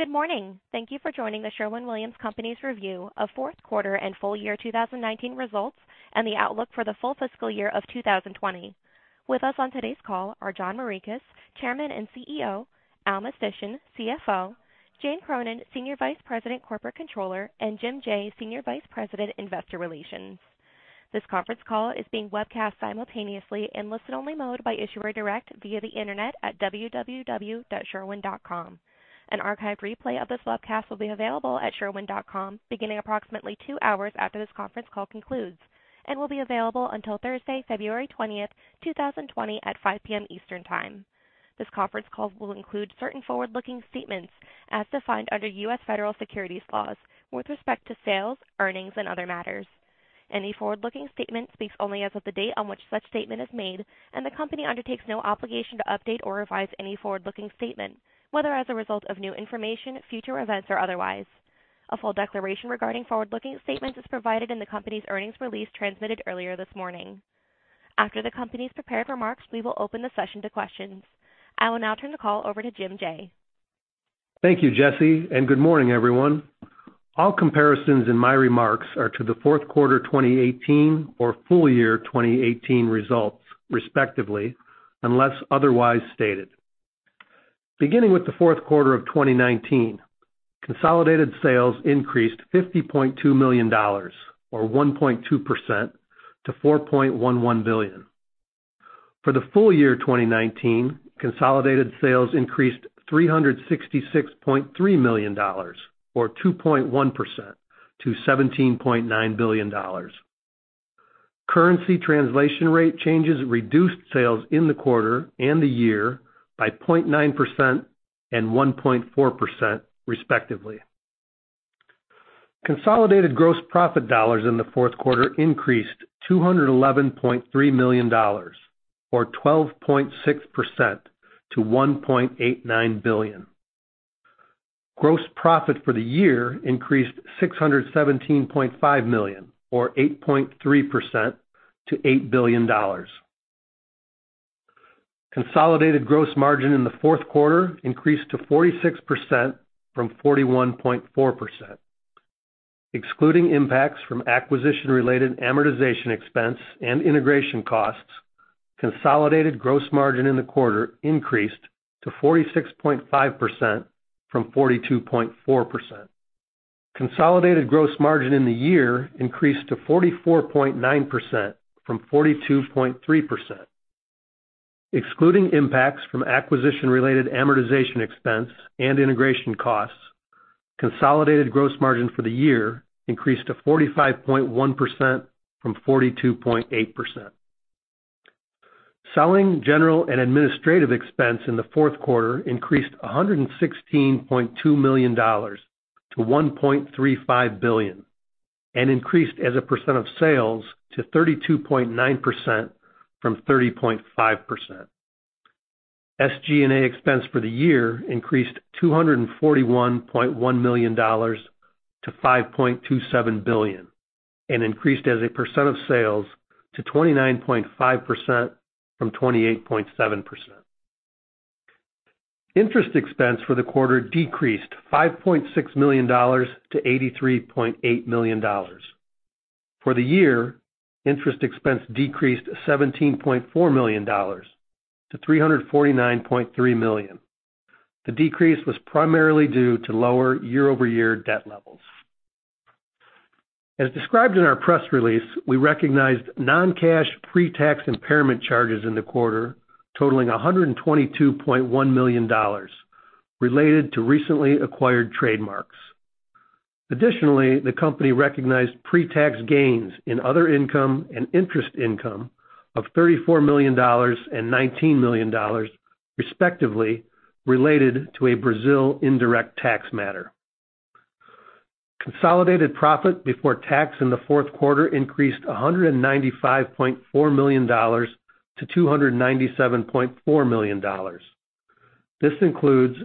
Good morning. Thank you for joining The Sherwin-Williams Company's review of fourth quarter and full year 2019 results and the outlook for the full fiscal year of 2020. With us on today's call are John Morikis, Chairman and CEO, Al Mistysyn, CFO, Jane Cronin, Senior Vice President Corporate Controller, and Jim Jaye, Senior Vice President, Investor Relations. This conference call is being webcast simultaneously in listen-only mode by Issuer Direct via the internet at www.sherwin.com. An archived replay of this webcast will be available at sherwin.com beginning approximately two hours after this conference call concludes and will be available until Thursday, February 20th, 2020 at 5:00 P.M. Eastern Time. This conference call will include certain forward-looking statements as defined under U.S. federal securities laws with respect to sales, earnings, and other matters. Any forward-looking statement speaks only as of the date on which such statement is made, and the company undertakes no obligation to update or revise any forward-looking statement, whether as a result of new information, future events, or otherwise. A full declaration regarding forward-looking statements is provided in the company's earnings release transmitted earlier this morning. After the company's prepared remarks, we will open the session to questions. I will now turn the call over to Jim Jaye. Thank you, Jesse, and good morning, everyone. All comparisons in my remarks are to the fourth quarter 2018 or full year 2018 results, respectively, unless otherwise stated. Beginning with the fourth quarter of 2019, consolidated sales increased $50.2 million, or 1.2%, to $4.11 billion. For the full year 2019, consolidated sales increased $366.3 million or 2.1% to $17.9 billion. Currency translation rate changes reduced sales in the quarter and the year by 0.9% and 1.4%, respectively. Consolidated gross profit dollars in the fourth quarter increased to $211.3 million or 12.6% to $1.89 billion. Gross profit for the year increased $617.5 million, or 8.3% to $8 billion. Consolidated gross margin in the fourth quarter increased to 46% from 41.4%. Excluding impacts from acquisition-related amortization expense and integration costs, consolidated gross margin in the quarter increased to 46.5% from 42.4%. Consolidated gross margin in the year increased to 44.9% from 42.3%. Excluding impacts from acquisition-related amortization expense and integration costs, consolidated gross margin for the year increased to 45.1% from 42.8%. Selling, General and Administrative expense in the fourth quarter increased $116.2 million to $1.35 billion and increased as a percent of sales to 32.9% from 30.5%. SG&A expense for the year increased to $241.1 million to $5.27 billion and increased as a percent of sales to 29.5% from 28.7%. Interest expense for the quarter decreased $5.6 million to $83.8 million. For the year, interest expense decreased $17.4 million to $349.3 million. The decrease was primarily due to lower year-over-year debt levels. As described in our press release, we recognized non-cash pre-tax impairment charges in the quarter totaling $122.1 million related to recently acquired trademarks. Additionally, the company recognized pre-tax gains in other income and interest income of $34 million and $19 million, respectively, related to a Brazil indirect tax matter. Consolidated profit before tax in the fourth quarter increased $195.4 million to $297.4 million. This includes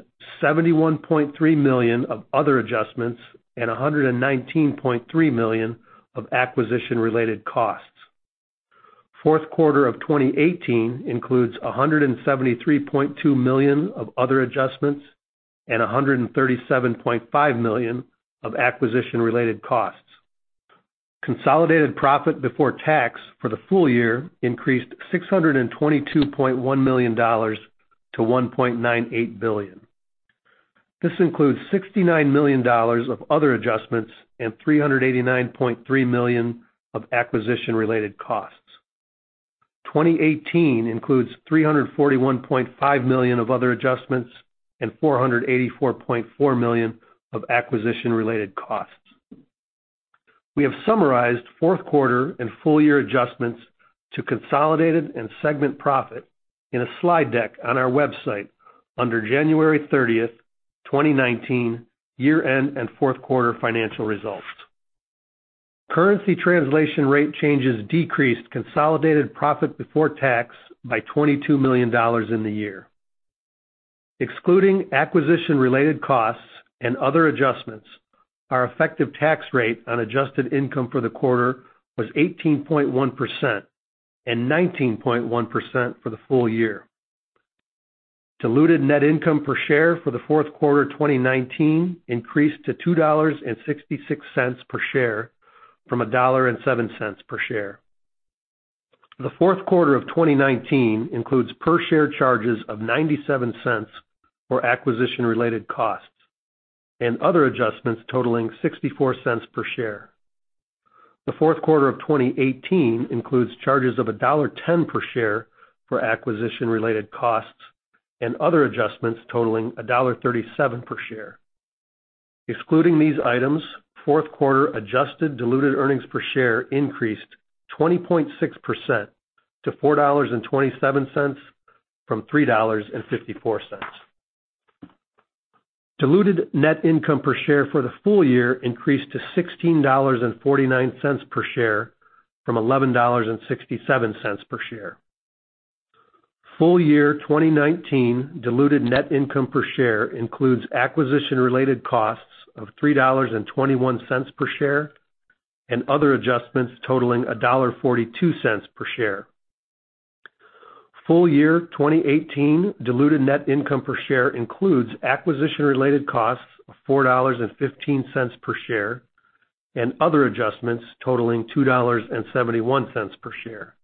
$71.3 million of other adjustments and $119.3 million of acquisition-related costs. Fourth quarter of 2018 includes $173.2 million of other adjustments and $137.5 million of acquisition-related costs. Consolidated profit before tax for the full year increased $622.1 million to $1.98 billion. This includes $69 million of other adjustments and $389.3 million of acquisition-related costs. 2018 includes $341.5 million of other adjustments and $484.4 million of acquisition-related costs. We have summarized fourth quarter and full-year adjustments to consolidated and segment profit in a slide deck on our website under January 30th, 2019, year-end and fourth quarter financial results. Currency translation rate changes decreased consolidated profit before tax by $22 million in the year. Excluding acquisition-related costs and other adjustments, our effective tax rate on adjusted income for the quarter was 18.1% and 19.1% for the full year. Diluted net income per share for the fourth quarter 2019 increased to $2.66 per share from $1.07 per share. The fourth quarter of 2019 includes per share charges of $0.97 for acquisition-related costs and other adjustments totaling $0.64 per share. The fourth quarter of 2018 includes charges of $1.10 per share for acquisition-related costs and other adjustments totaling $1.37 per share. Excluding these items, fourth quarter adjusted diluted earnings per share increased 20.6% to $4.27 from $3.54. Diluted net income per share for the full year increased to $16.49 per share from $11.67 per share. Full year 2019 diluted net income per share includes acquisition-related costs of $3.21 per share and other adjustments totaling $1.42 per share. Full year 2018 diluted net income per share includes acquisition related costs of $4.15 per share and other adjustments totaling $2.71 per share.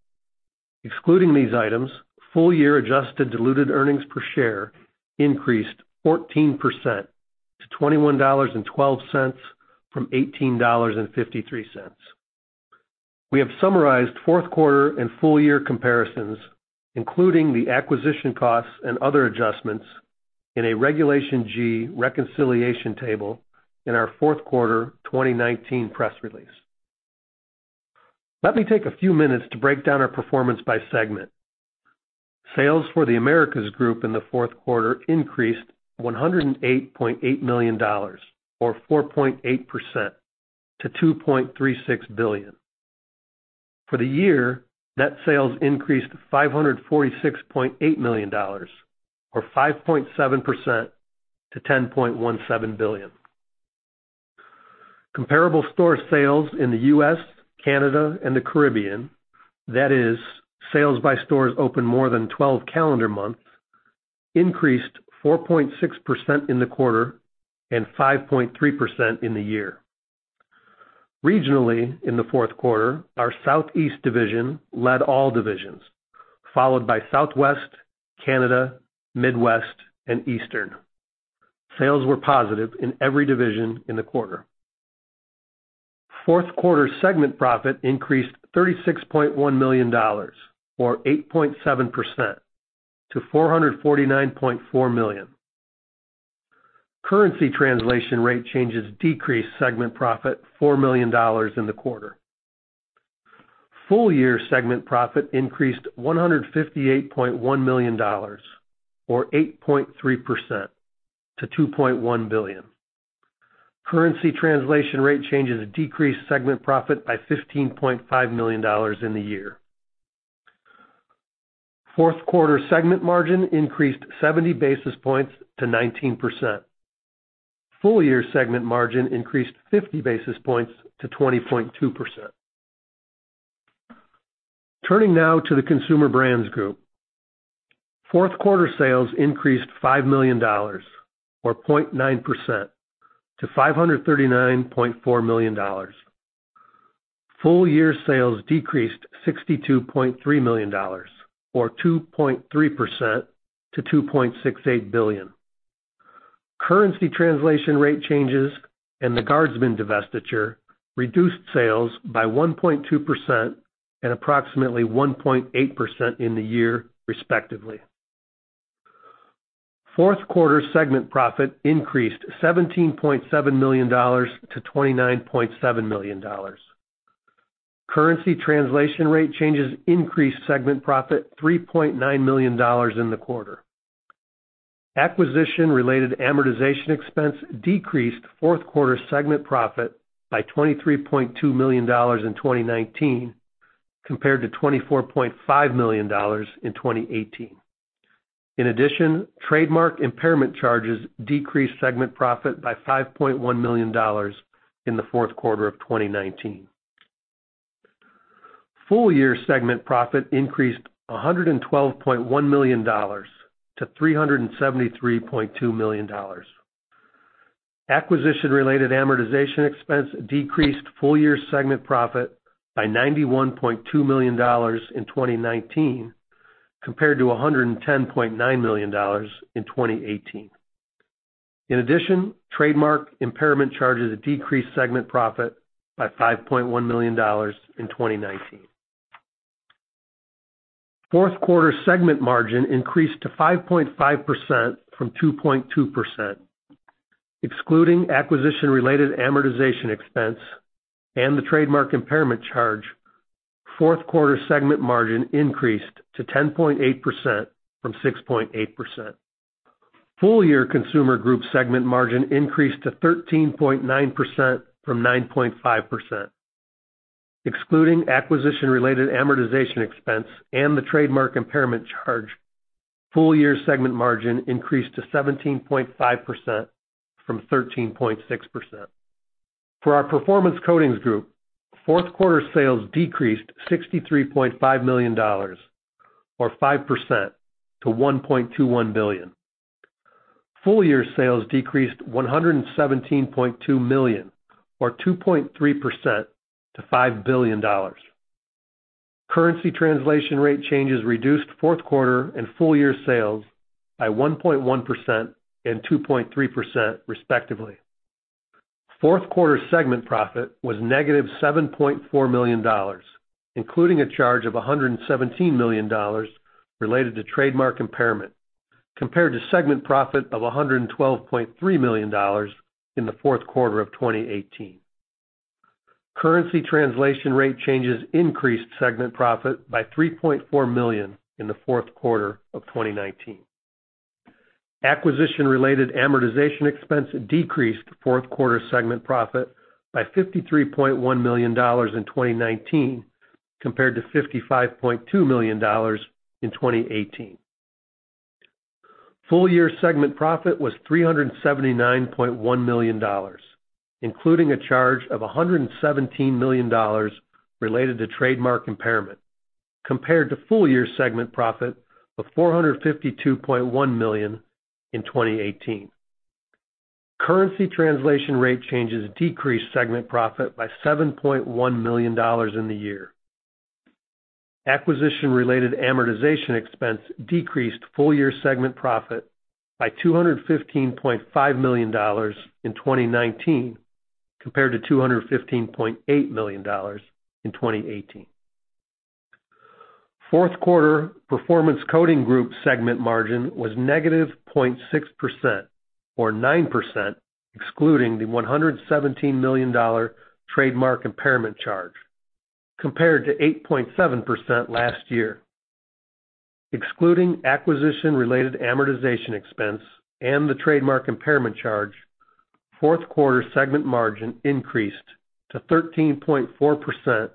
Excluding these items, full year adjusted diluted earnings per share increased 14% to $21.12 from $18.53. We have summarized fourth quarter and full year comparisons, including the acquisition costs and other adjustments in a Regulation G reconciliation table in our fourth quarter 2019 press release. Let me take a few minutes to break down our performance by segment. Sales for The Americas Group in the fourth quarter increased $108.8 million or 4.8% to $2.36 billion. For the year, net sales increased to $546.8 million or 5.7% to $10.17 billion. Comparable store sales in the U.S., Canada, and the Caribbean, that is, sales by stores open more than 12 calendar months, increased 4.6% in the quarter and 5.3% in the year. Regionally, in the fourth quarter, our Southeast division led all divisions, followed by Southwest, Canada, Midwest and Eastern. Sales were positive in every division in the quarter. Fourth quarter segment profit increased $36.1 million or 8.7% to $449.4 million. Currency translation rate changes decreased segment profit $4 million in the quarter. Full year segment profit increased $158.1 million or 8.3% to $2.1 billion. Currency translation rate changes decreased segment profit by $15.5 million in the year. Fourth quarter segment margin increased 70 basis points to 19%. Full year segment margin increased 50 basis points to 20.2%. Turning now to the Consumer Brands Group. Fourth quarter sales increased $5 million or 0.9% to $539.4 million. Full year sales decreased $62.3 million or 2.3% to $2.68 billion. Currency translation rate changes and the Guardsman divestiture reduced sales by 1.2% and approximately 1.8% in the year respectively. Fourth quarter segment profit increased $17.7 million to $29.7 million. Currency translation rate changes increased segment profit $3.9 million in the quarter. Acquisition related amortization expense decreased fourth quarter segment profit by $23.2 million in 2019 compared to $24.5 million in 2018. In addition, trademark impairment charges decreased segment profit by $5.1 million in the fourth quarter of 2019. Full year segment profit increased $112.1 million to $373.2 million. Acquisition related amortization expense decreased full year segment profit by $91.2 million in 2019 compared to $110.9 million in 2018. In addition, trademark impairment charges decreased segment profit by $5.1 million in 2019. Fourth quarter segment margin increased to 5.5% from 2.2%. Excluding acquisition related amortization expense and the trademark impairment charge, fourth quarter segment margin increased to 10.8% from 6.8%. Full year Consumer Brands Group segment margin increased to 13.9% from 9.5%. Excluding acquisition related amortization expense and the trademark impairment charge, full year segment margin increased to 17.5% from 13.6%. For our Performance Coatings Group, fourth quarter sales decreased $63.5 million or 5% to $1.21 billion. Full year sales decreased $117.2 million or 2.3% to $5 billion. Currency translation rate changes reduced fourth quarter and full year sales by 1.1% and 2.3%, respectively. Fourth quarter segment profit was -$7.4 million, including a charge of $117 million related to trademark impairment, compared to segment profit of $112.3 million in the fourth quarter of 2018. Currency translation rate changes increased segment profit by $3.4 million in the fourth quarter of 2019. Acquisition related amortization expense decreased fourth quarter segment profit by $53.1 million in 2019 compared to $55.2 million in 2018. Full year segment profit was $379.1 million, including a charge of $117 million related to trademark impairment compared to full year segment profit of $452.1 million in 2018. Currency translation rate changes decreased segment profit by $7.1 million in the year. Acquisition related amortization expense decreased full year segment profit by $215.5 million in 2019 compared to $215.8 million in 2018. Fourth quarter Performance Coatings Group segment margin was -0.6%, or 9%, excluding the $117 million trademark impairment charge compared to 8.7% last year. Excluding acquisition related amortization expense and the trademark impairment charge, fourth quarter segment margin increased to 13.4%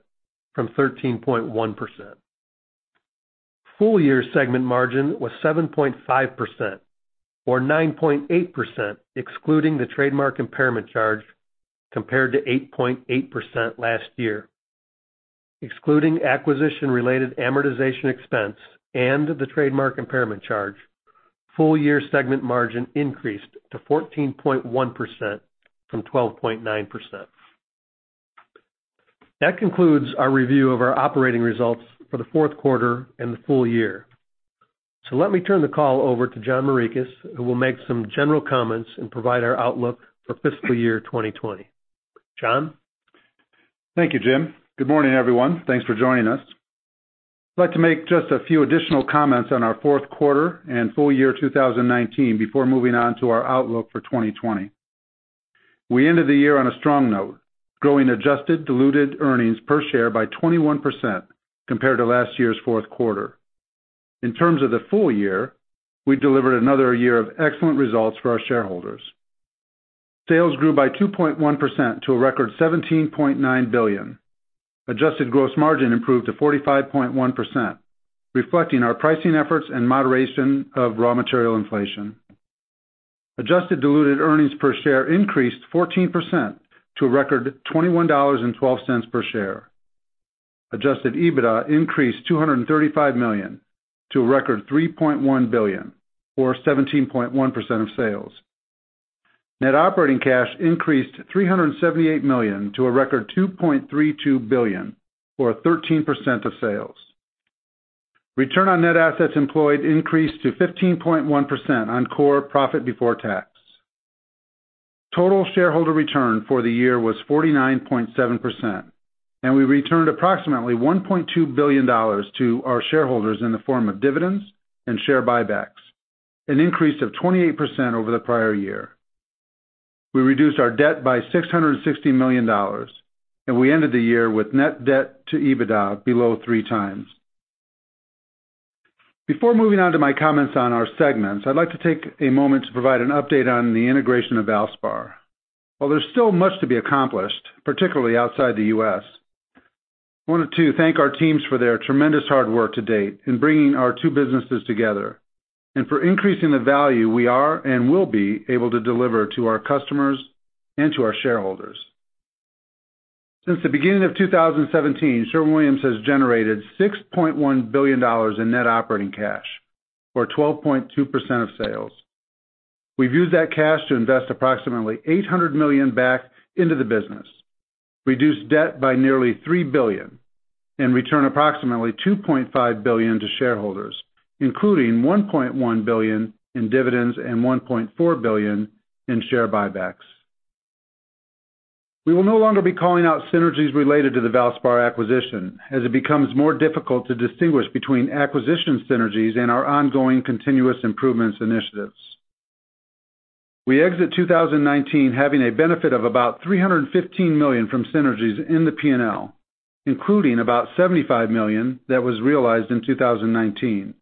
from 13.1%. Full year segment margin was 7.5%, or 9.8%, excluding the trademark impairment charge compared to 8.8% last year. Excluding acquisition related amortization expense and the trademark impairment charge, full year segment margin increased to 14.1% from 12.9%. That concludes our review of our operating results for the fourth quarter and the full year. Let me turn the call over to John Morikis, who will make some general comments and provide our outlook for fiscal year 2020. John? Thank you, Jim. Good morning, everyone. Thanks for joining us. I'd like to make just a few additional comments on our fourth quarter and full year 2019 before moving on to our outlook for 2020. We ended the year on a strong note, growing adjusted diluted earnings per share by 21% compared to last year's fourth quarter. In terms of the full year, we delivered another year of excellent results for our shareholders. Sales grew by 2.1% to a record $17.9 billion. Adjusted gross margin improved to 45.1%, reflecting our pricing efforts and moderation of raw material inflation. Adjusted diluted earnings per share increased 14% to a record $21.12 per share. Adjusted EBITDA increased $235 million to a record $3.1 billion, or 17.1% of sales. Net operating cash increased $378 million to a record $2.32 billion, or 13% of sales. Return on net assets employed increased to 15.1% on core profit before tax. Total shareholder return for the year was 49.7%, and we returned approximately $1.2 billion to our shareholders in the form of dividends and share buybacks, an increase of 28% over the prior year. We reduced our debt by $660 million, and we ended the year with net debt to EBITDA below 3x. Before moving on to my comments on our segments, I'd like to take a moment to provide an update on the integration of Valspar. While there's still much to be accomplished, particularly outside the U.S., I wanted to thank our teams for their tremendous hard work to date in bringing our two businesses together and for increasing the value we are and will be able to deliver to our customers and to our shareholders. Since the beginning of 2017, Sherwin-Williams has generated $6.1 billion in net operating cash, or 12.2% of sales. We've used that cash to invest approximately $800 million back into the business, reduced debt by nearly $3 billion, and return approximately $2.5 billion to shareholders, including $1.1 billion in dividends and $1.4 billion in share buybacks. We will no longer be calling out synergies related to the Valspar acquisition as it becomes more difficult to distinguish between acquisition synergies and our ongoing continuous improvements initiatives. We exit 2019 having a benefit of about $315 million from synergies in the P&L, including about $75 million that was realized in 2019.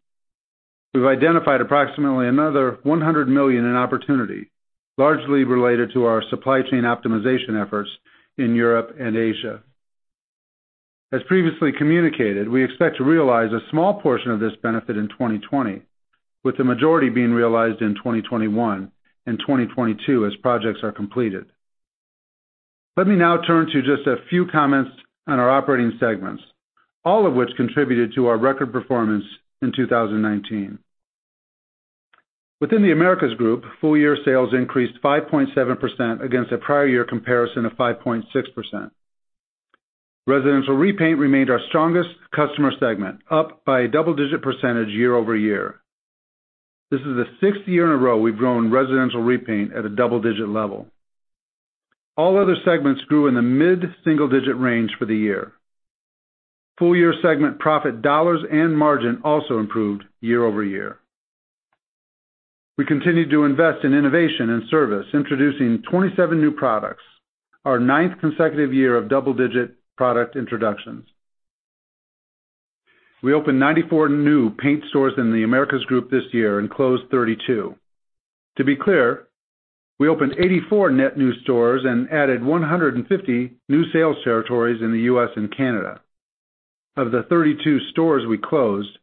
We've identified approximately another $100 million in opportunity, largely related to our supply chain optimization efforts in Europe and Asia. As previously communicated, we expect to realize a small portion of this benefit in 2020, with the majority being realized in 2021 and 2022 as projects are completed. Let me now turn to just a few comments on our operating segments, all of which contributed to our record performance in 2019. Within The Americas Group, full-year sales increased 5.7% against a prior year comparison of 5.6%. Residential repaint remained our strongest customer segment, up by a double-digit percentage year-over-year. This is the sixth year in a row we've grown residential repaint at a double-digit level. All other segments grew in the mid-single digit range for the year. Full-year segment profit dollars and margin also improved year-over-year. We continued to invest in innovation and service, introducing 27 new products, our ninth consecutive year of double-digit product introductions. We opened 94 new paint stores in The Americas Group this year and closed 32. To be clear, we opened 84 net new stores and added 150 new sales territories in the U.S. and Canada. Of the 32 stores we closed,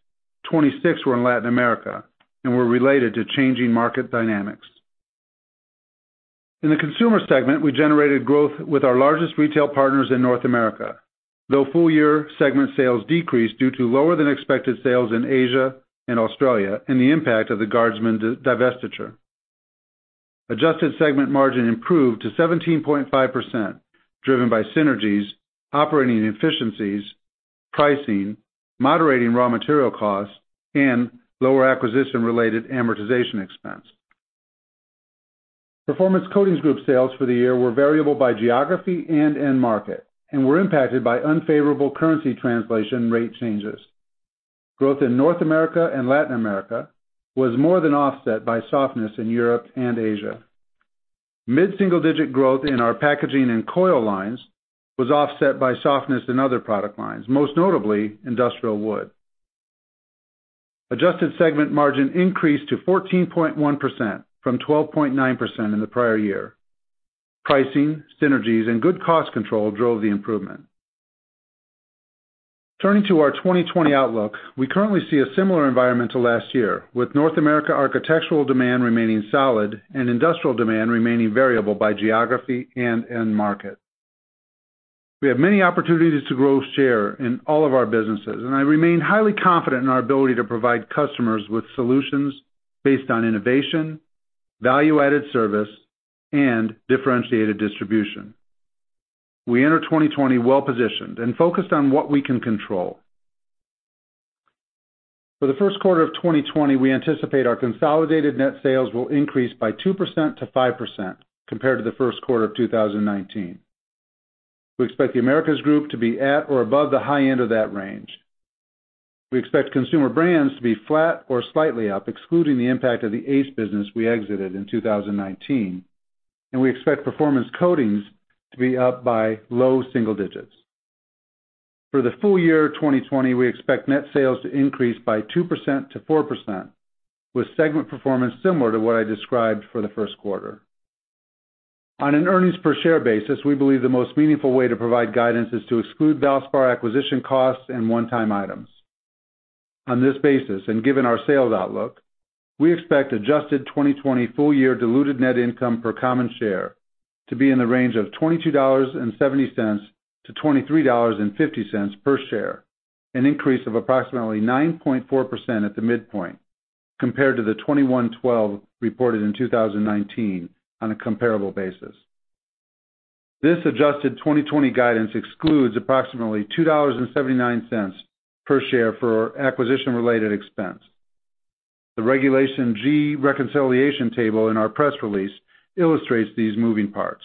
26 were in Latin America and were related to changing market dynamics. In the consumer segment, we generated growth with our largest retail partners in North America, though full-year segment sales decreased due to lower than expected sales in Asia and Australia and the impact of the Guardsman divestiture. Adjusted segment margin improved to 17.5%, driven by synergies, operating efficiencies, pricing, moderating raw material costs, and lower acquisition-related amortization expense. Performance Coatings Group sales for the year were variable by geography and end market and were impacted by unfavorable currency translation rate changes. Growth in North America and Latin America was more than offset by softness in Europe and Asia. Mid-single digit growth in our packaging and coil lines was offset by softness in other product lines, most notably industrial wood. Adjusted segment margin increased to 14.1% from 12.9% in the prior year. Pricing, synergies, and good cost control drove the improvement. Turning to our 2020 outlook, we currently see a similar environment to last year, with North America architectural demand remaining solid and industrial demand remaining variable by geography and end market. We have many opportunities to grow share in all of our businesses, and I remain highly confident in our ability to provide customers with solutions based on innovation, value-added service, and differentiated distribution. We enter 2020 well-positioned and focused on what we can control. For the first quarter of 2020, we anticipate our consolidated net sales will increase by 2% to 5% compared to the first quarter of 2019. We expect The Americas Group to be at or above the high end of that range. We expect Consumer Brands to be flat or slightly up, excluding the impact of the Ace business we exited in 2019. We expect Performance Coatings to be up by low single digits. For the full year 2020, we expect net sales to increase by 2% to 4%, with segment performance similar to what I described for the first quarter. On an earnings per share basis, we believe the most meaningful way to provide guidance is to exclude Valspar acquisition costs and one-time items. On this basis, and given our sales outlook, we expect adjusted 2020 full year diluted net income per common share to be in the range of $22.70-$23.50 per share, an increase of approximately 9.4% at the midpoint compared to the $21.12 reported in 2019 on a comparable basis. This adjusted 2020 guidance excludes approximately $2.79 per share for acquisition-related expense. The Regulation G reconciliation table in our press release illustrates these moving parts.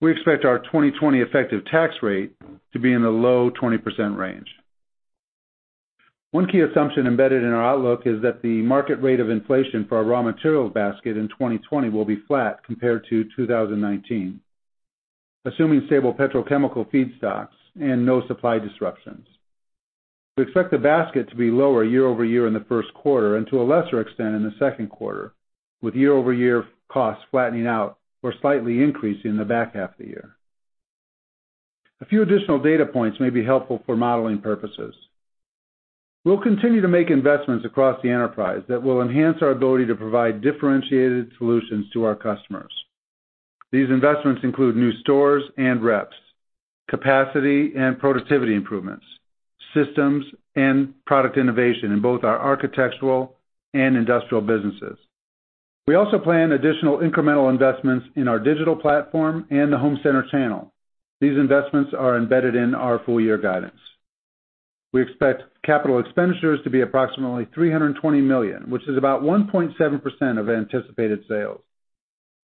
We expect our 2020 effective tax rate to be in the low 20% range. One key assumption embedded in our outlook is that the market rate of inflation for our raw materials basket in 2020 will be flat compared to 2019, assuming stable petrochemical feedstocks and no supply disruptions. We expect the basket to be lower year-over-year in the first quarter and to a lesser extent in the second quarter, with year-over-year costs flattening out or slightly increasing in the back half of the year. A few additional data points may be helpful for modeling purposes. We'll continue to make investments across the enterprise that will enhance our ability to provide differentiated solutions to our customers. These investments include new stores and reps, capacity and productivity improvements, systems, and product innovation in both our architectural and industrial businesses. We also plan additional incremental investments in our digital platform and the home center channel. These investments are embedded in our full-year guidance. We expect capital expenditures to be approximately $320 million, which is about 1.7% of anticipated sales.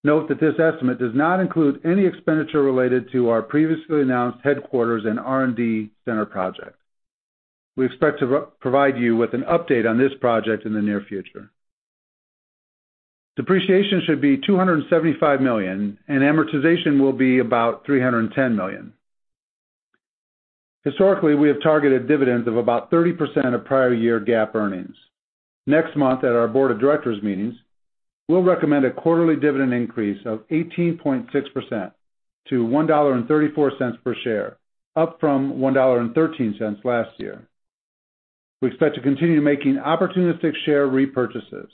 Note that this estimate does not include any expenditure related to our previously announced headquarters and R&D center project. We expect to provide you with an update on this project in the near future. Depreciation should be $275 million and amortization will be about $310 million. Historically, we have targeted dividends of about 30% of prior year GAAP earnings. Next month at our Board of Directors meetings we'll recommend a quarterly dividend increase of 18.6% to $1.34 per share, up from $1.13 last year. We expect to continue making opportunistic share repurchases.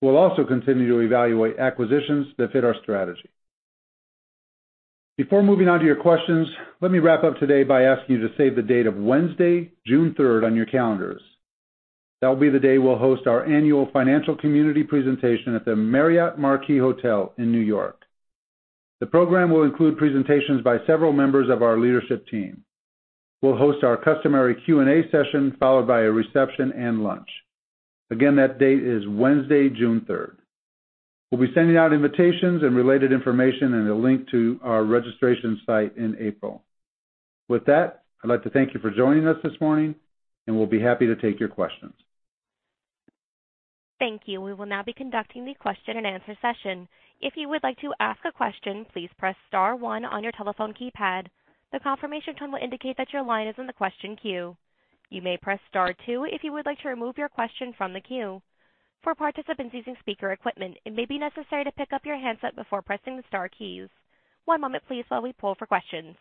We'll also continue to evaluate acquisitions that fit our strategy. Before moving on to your questions, let me wrap up today by asking you to save the date of Wednesday, June 3rd on your calendars. That will be the day we'll host our annual financial community presentation at the Marriott Marquis Hotel in New York. The program will include presentations by several members of our leadership team. We'll host our customary Q&A session, followed by a reception and lunch. Again, that date is Wednesday, June 3rd. We'll be sending out invitations and related information and a link to our registration site in April. With that, I'd like to thank you for joining us this morning, and we'll be happy to take your questions. Thank you. We will now be conducting the question and answer session. If you would like to ask a question, please press star one on your telephone keypad. The confirmation tone will indicate that your line is in the question queue. You may press star two if you would like to remove your question from the queue. For participants using speaker equipment, it may be necessary to pick up your handset before pressing the star keys. One moment, please, while we pull for questions.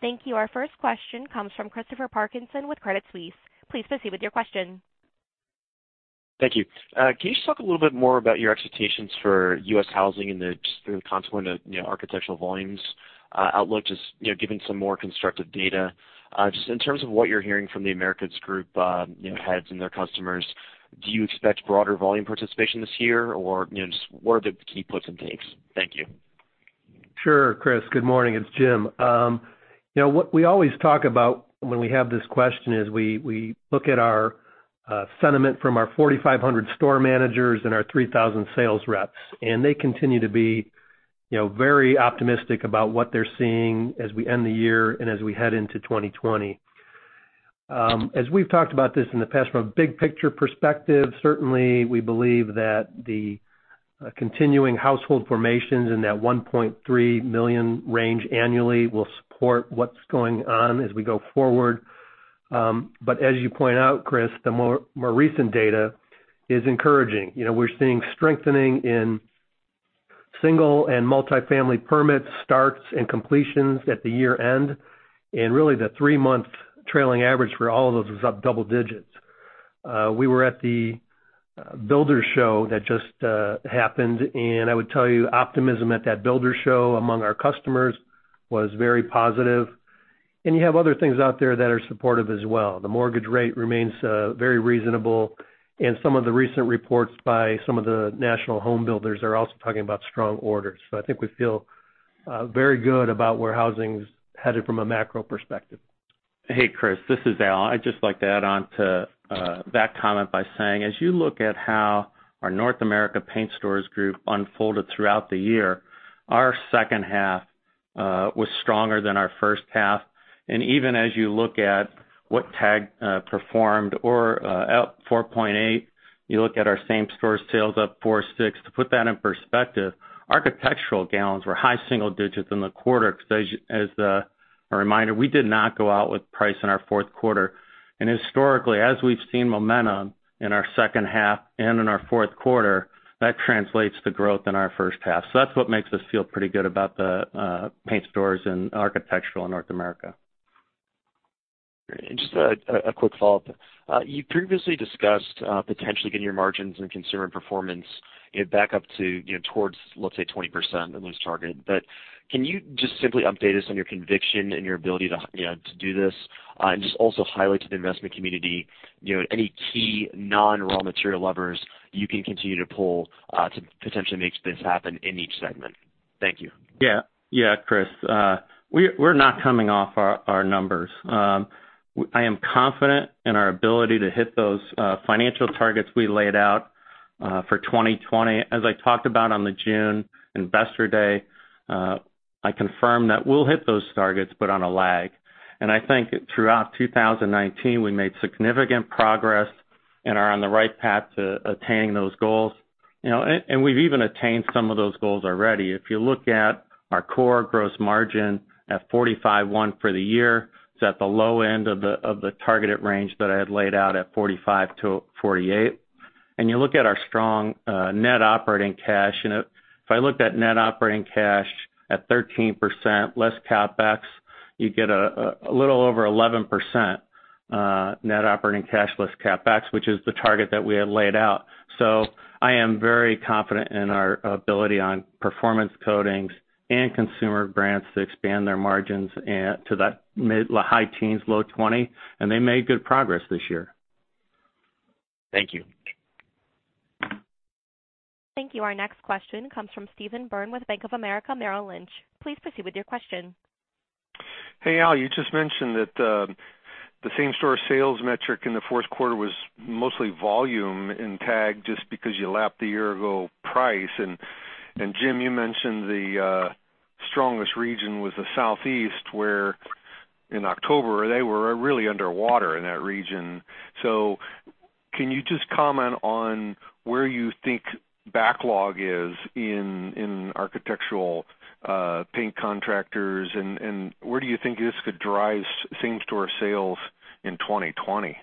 Thank you. Our first question comes from Christopher Parkinson with Credit Suisse. Please proceed with your question. Thank you. Can you just talk a little bit more about your expectations for U.S. housing and just through the consequent architectural volumes outlook, just given some more constructive data. Just in terms of what you're hearing from The Americas Group heads and their customers, do you expect broader volume participation this year, or just what are the key puts and takes? Thank you. Sure, Chris. Good morning. It's Jim. What we always talk about when we have this question is we look at our sentiment from our 4,500 store managers and our 3,000 sales reps, and they continue to be very optimistic about what they're seeing as we end the year and as we head into 2020. As we've talked about this in the past, from a big picture perspective, certainly we believe that the continuing household formations in that 1.3 million range annually will support what's going on as we go forward. As you point out, Chris, the more recent data is encouraging. We're seeing strengthening in single and multi-family permits, starts, and completions at the year-end, and really the three-month trailing average for all of those was up double digits. We were at the Builders' Show that just happened, and I would tell you optimism at that Builders' Show among our customers was very positive, and you have other things out there that are supportive as well. The mortgage rate remains very reasonable, and some of the recent reports by some of the national home builders are also talking about strong orders. I think we feel very good about where housing's headed from a macro perspective. Hey, Chris, this is Al. I'd just like to add on to that comment by saying, as you look at how our North America Paint Stores group unfolded throughout the year, our second half was stronger than our first half, even as you look at what TAG performed or up 4.8%, you look at our same store sales up 4.6%. To put that in perspective, architectural gallons were high single digits in the quarter because as a reminder, we did not go out with price in our fourth quarter. Historically, as we've seen momentum in our second half and in our fourth quarter, that translates to growth in our first half. That's what makes us feel pretty good about the paint stores and architectural in North America. Great. Just a quick follow-up. You previously discussed potentially getting your margins and consumer performance back up to towards, let's say, 20% on loose target. Can you just simply update us on your conviction and your ability to do this and just also highlight to the investment community any key non-raw material levers you can continue to pull to potentially make this happen in each segment? Thank you. Yeah. Chris, we're not coming off our numbers. I am confident in our ability to hit those financial targets we laid out for 2020. As I talked about on the June Investor Day, I confirm that we'll hit those targets, but on a lag. I think throughout 2019, we made significant progress and are on the right path to attaining those goals. We've even attained some of those goals already. If you look at our core gross margin at 45.1% for the year, it's at the low end of the targeted range that I had laid out at 45%-48%. You look at our strong net operating cash, and if I looked at net operating cash at 13% less CapEx, you get a little over 11% net operating cash less CapEx, which is the target that we had laid out. I am very confident in our ability on Performance Coatings and Consumer Brands to expand their margins and to that mid to high teens, low 20%, and they made good progress this year. Thank you. Thank you. Our next question comes from Steven Byrne with Bank of America Merrill Lynch. Please proceed with your question. Hey, Al, you just mentioned that the same store sales metric in the fourth quarter was mostly volume in TAG just because you lapped the year ago price. Jim, you mentioned the strongest region was the Southeast, where in October they were really underwater in that region. Can you just comment on where you think backlog is in architectural paint contractors, and where do you think this could drive same store sales in 2020?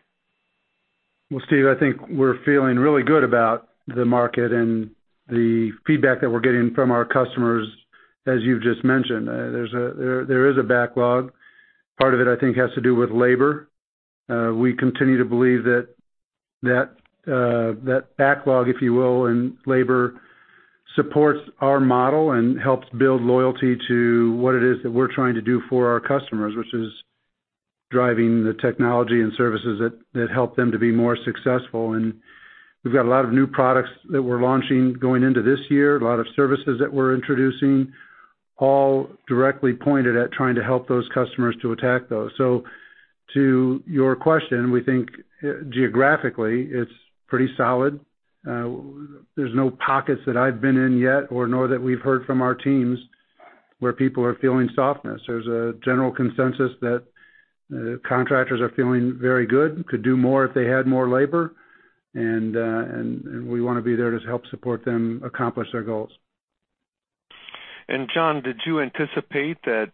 Well, Steve, I think we're feeling really good about the market and the feedback that we're getting from our customers, as you've just mentioned. There is a backlog. Part of it, I think, has to do with labor. We continue to believe that backlog, if you will, and labor supports our model and helps build loyalty to what it is that we're trying to do for our customers, which is driving the technology and services that help them to be more successful. We've got a lot of new products that we're launching going into this year, a lot of services that we're introducing, all directly pointed at trying to help those customers to attack those. To your question, we think geographically it's pretty solid. There's no pockets that I've been in yet or nor that we've heard from our teams where people are feeling softness. There's a general consensus that contractors are feeling very good, could do more if they had more labor, and we want to be there to help support them accomplish their goals. John, did you anticipate that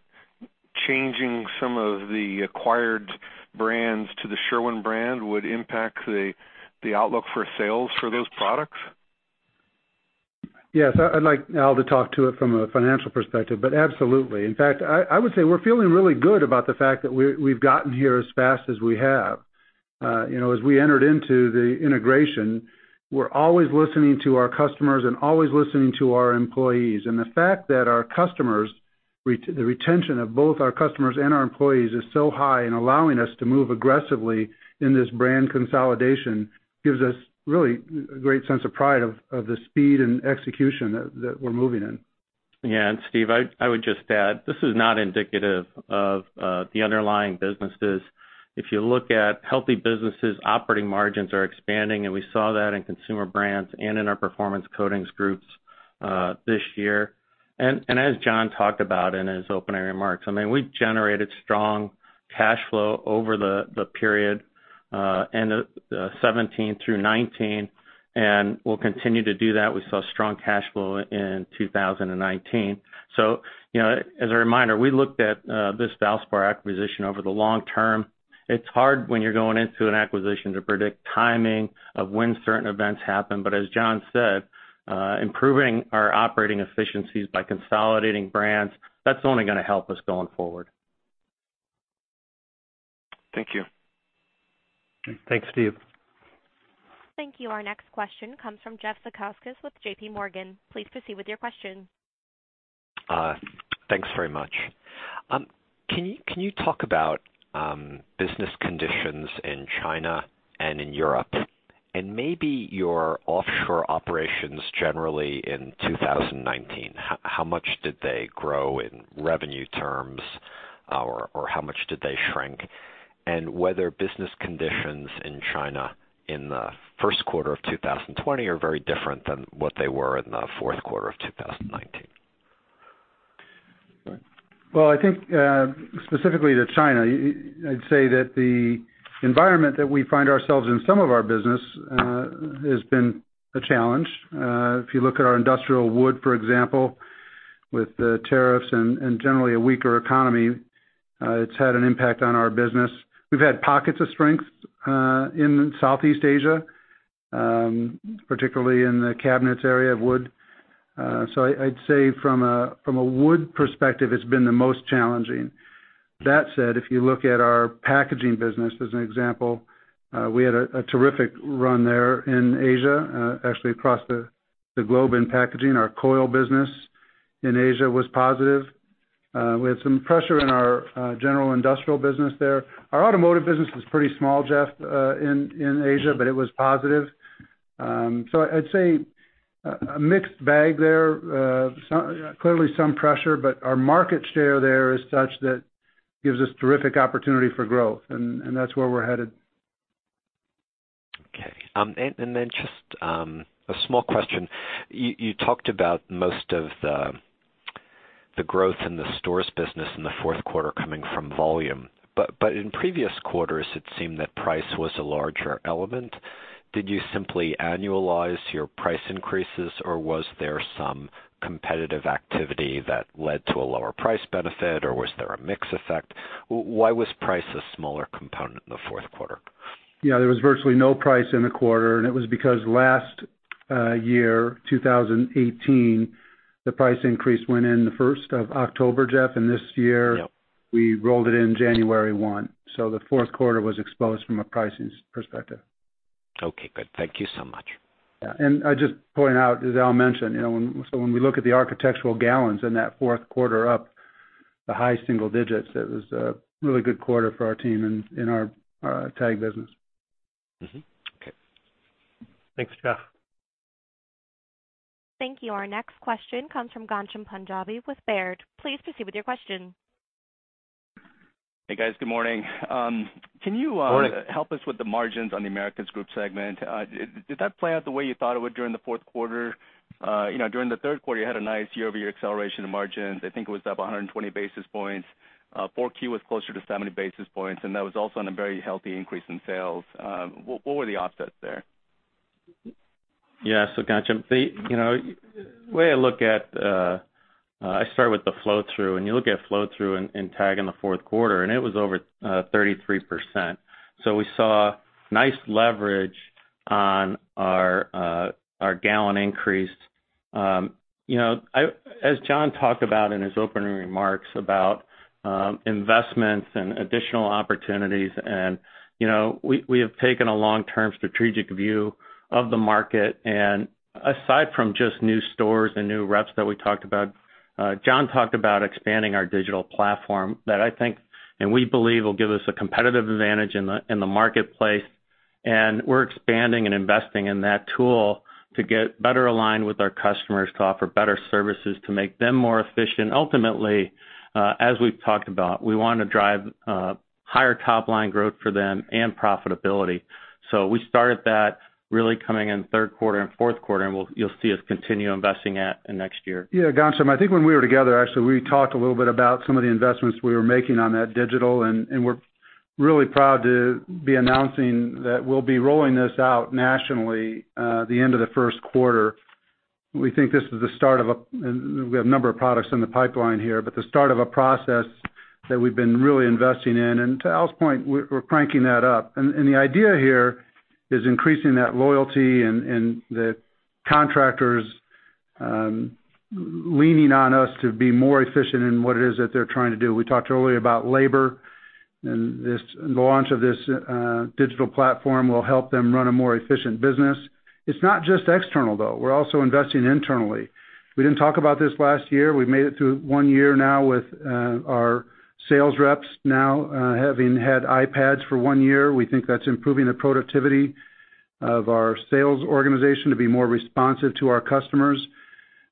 changing some of the acquired brands to the Sherwin brand would impact the outlook for sales for those products? Yes. I'd like Al to talk to it from a financial perspective. Absolutely. In fact, I would say we're feeling really good about the fact that we've gotten here as fast as we have. As we entered into the integration, we're always listening to our customers and always listening to our employees. The fact that the retention of both our customers and our employees is so high in allowing us to move aggressively in this brand consolidation gives us really a great sense of pride of the speed and execution that we're moving in. Steve, I would just add, this is not indicative of the underlying businesses. If you look at healthy businesses, operating margins are expanding, and we saw that in Consumer Brands and in our Performance Coatings groups this year. As John talked about in his opening remarks, we've generated strong cash flow over the period, end of 2017 through 2019, and we'll continue to do that. We saw strong cash flow in 2019. As a reminder, we looked at this Valspar acquisition over the long term. It's hard when you're going into an acquisition to predict timing of when certain events happen. As John said, improving our operating efficiencies by consolidating brands, that's only going to help us going forward. Thank you. Thanks, Steve. Thank you. Our next question comes from Jeff Zekauskas with JPMorgan. Please proceed with your question. Thanks very much. Can you talk about business conditions in China and in Europe, and maybe your offshore operations generally in 2019? How much did they grow in revenue terms, or how much did they shrink? Whether business conditions in China in the first quarter of 2020 are very different than what they were in the fourth quarter of 2019. I think, specifically to China, I'd say that the environment that we find ourselves in some of our business has been a challenge. If you look at our industrial wood, for example, with the tariffs and generally a weaker economy, it's had an impact on our business. We've had pockets of strength in Southeast Asia, particularly in the cabinets area of wood. I'd say from a wood perspective, it's been the most challenging. That said, if you look at our packaging business as an example, we had a terrific run there in Asia, actually across the globe in packaging. Our coil business in Asia was positive. We had some pressure in our general industrial business there. Our automotive business was pretty small, Jeff, in Asia, but it was positive. I'd say a mixed bag there. Clearly some pressure, but our market share there is such that it gives us terrific opportunity for growth, and that's where we're headed. Okay. Just a small question. You talked about most of the growth in the stores business in the fourth quarter coming from volume. In previous quarters, it seemed that price was a larger element. Did you simply annualize your price increases, or was there some competitive activity that led to a lower price benefit, or was there a mix effect? Why was price a smaller component in the fourth quarter? Yeah, there was virtually no price in the quarter, and it was because last year, 2018, the price increase went in the first of October, Jeff, and this year we rolled it in January 1. The fourth quarter was exposed from a pricing perspective. Okay, good. Thank you so much. Yeah. I'd just point out, as Al mentioned, when we look at the architectural gallons in that fourth quarter up the high single digits, it was a really good quarter for our team in our TAG business. Mm-hmm. Okay. Thanks, Jeff. Thank you. Our next question comes from Ghansham Panjabi with Baird. Please proceed with your question. Hey, guys. Good morning. Morning. Can you help us with the margins on The Americas Group segment? Did that play out the way you thought it would during the fourth quarter? During the third quarter, you had a nice year-over-year acceleration of margins. I think it was up 120 basis points. 4Q was closer to 70 basis points, and that was also on a very healthy increase in sales. What were the offsets there? Yeah. Ghansham, the way I start with the flow-through, you look at flow-through in TAG in the fourth quarter, and it was over 33%. We saw nice leverage on our gallon increase. As John talked about in his opening remarks about investments and additional opportunities, we have taken a long-term strategic view of the market, aside from just new stores and new reps that we talked about, John talked about expanding our digital platform that I think, and we believe will give us a competitive advantage in the marketplace. We're expanding and investing in that tool to get better aligned with our customers, to offer better services to make them more efficient. Ultimately, as we've talked about, we want to drive higher top-line growth for them and profitability. We started that really coming in third quarter and fourth quarter, and you'll see us continue investing that in next year. Yeah, Ghansham, I think when we were together, actually, we talked a little bit about some of the investments we were making on that digital. We're really proud to be announcing that we'll be rolling this out nationally, the end of the first quarter. We think this is the start of a, we have a number of products in the pipeline here, but the start of a process that we've been really investing in. To Al's point, we're cranking that up. The idea here is increasing that loyalty and the contractors leaning on us to be more efficient in what it is that they're trying to do. We talked earlier about labor. The launch of this digital platform will help them run a more efficient business. It's not just external, though. We're also investing internally. We didn't talk about this last year. We've made it through one year now with our sales reps now having had iPad for one year. We think that's improving the productivity of our sales organization to be more responsive to our customers.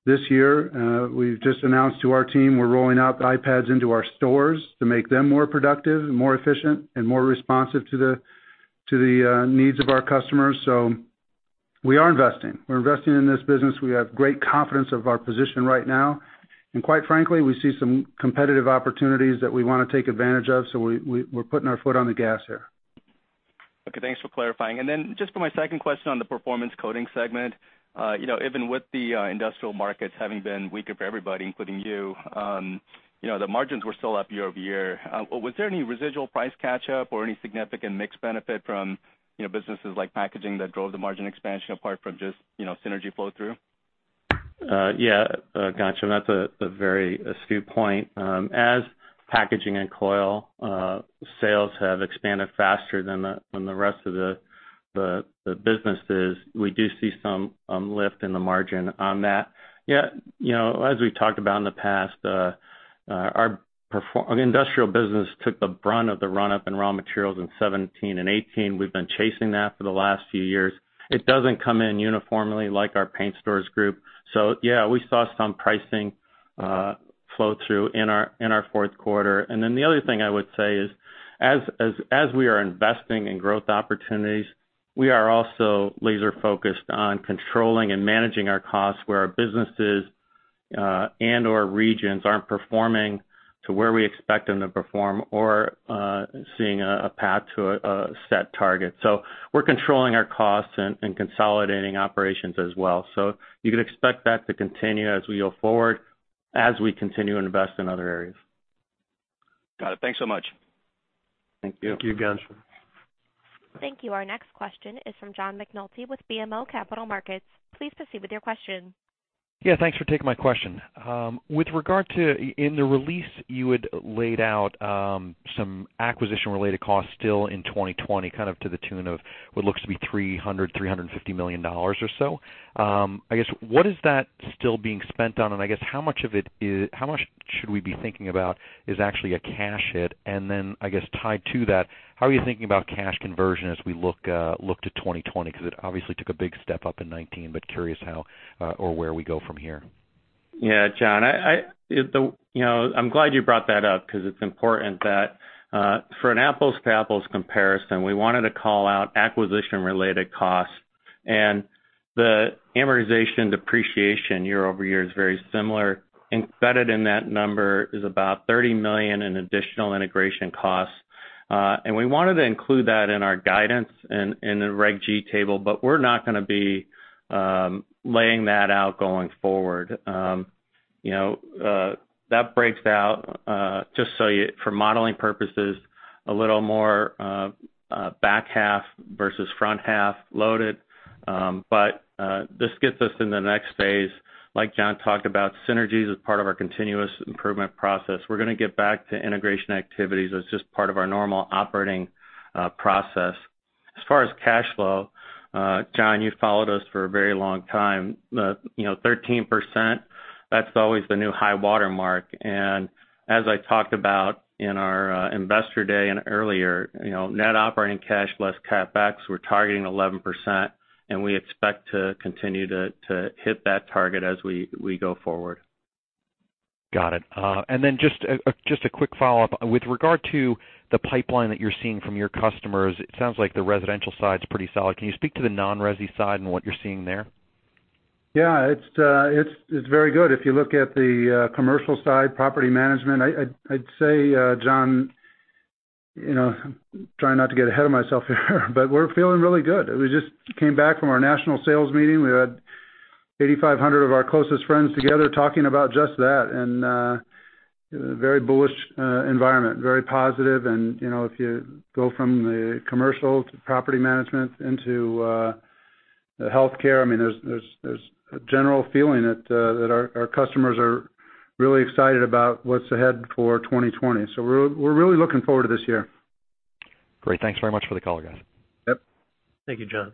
This year, we've just announced to our team we're rolling out iPad into our stores to make them more productive and more efficient and more responsive to the needs of our customers. We are investing. We're investing in this business. We have great confidence of our position right now. Quite frankly, we see some competitive opportunities that we want to take advantage of, so we're putting our foot on the gas here. Okay, thanks for clarifying. Then just for my second question on the Performance Coatings segment. Even with the industrial markets having been weaker for everybody, including you, the margins were still up year-over-year. Was there any residual price catch-up or any significant mix benefit from businesses like packaging that drove the margin expansion apart from just synergy flow-through? Yeah, Ghansham. That's a very astute point. As packaging and coil sales have expanded faster than the rest of the businesses, we do see some lift in the margin on that. As we've talked about in the past, our industrial business took the brunt of the run-up in raw materials in 2017 and 2018. We've been chasing that for the last few years. It doesn't come in uniformly like our Paint Stores Group. Yeah, we saw some pricing flow-through in our fourth quarter. The other thing I would say is as we are investing in growth opportunities, we are also laser-focused on controlling and managing our costs where our businesses and/or regions aren't performing to where we expect them to perform or seeing a path to a set target. We're controlling our costs and consolidating operations as well. You can expect that to continue as we go forward, as we continue to invest in other areas. Got it. Thanks so much. Thank you. Thank you, Ghansham. Thank you. Our next question is from John McNulty with BMO Capital Markets. Please proceed with your question. Yeah, thanks for taking my question. In the release you had laid out some acquisition-related costs still in 2020, kind of to the tune of what looks to be $300 million-$350 million or so. I guess, what is that still being spent on? I guess, how much should we be thinking about is actually a cash hit? I guess, tied to that, how are you thinking about cash conversion as we look to 2020? It obviously took a big step up in 2019, but curious how or where we go from here. Yeah, John. I'm glad you brought that up because it's important that for an apples-to-apples comparison, we wanted to call out acquisition-related costs and the amortization depreciation year-over-year is very similar. Embedded in that number is about $30 million in additional integration costs. We wanted to include that in our guidance in the Reg G table, we're not going to be laying that out going forward. That breaks out, just for modeling purposes, a little more back half versus front half loaded. This gets us into the next phase. Like John talked about, synergies is part of our continuous improvement process. We're going to get back to integration activities as just part of our normal operating process. As far as cash flow, John, you've followed us for a very long time. 13%, that's always the new high water mark. As I talked about in our Investor Day and earlier, net operating cash less CapEx, we're targeting 11%, and we expect to continue to hit that target as we go forward. Got it. Just a quick follow-up. With regard to the pipeline that you're seeing from your customers, it sounds like the residential side's pretty solid. Can you speak to the non-resi side and what you're seeing there? Yeah, it's very good. If you look at the commercial side, property management, I'd say, John, trying not to get ahead of myself here, but we're feeling really good. We just came back from our national sales meeting. We had 8,500 of our closest friends together talking about just that, and a very bullish environment. Very positive. If you go from the commercial to property management into healthcare, there's a general feeling that our customers are really excited about what's ahead for 2020. We're really looking forward to this year. Great. Thanks very much for the color, guys. Yep. Thank you, John.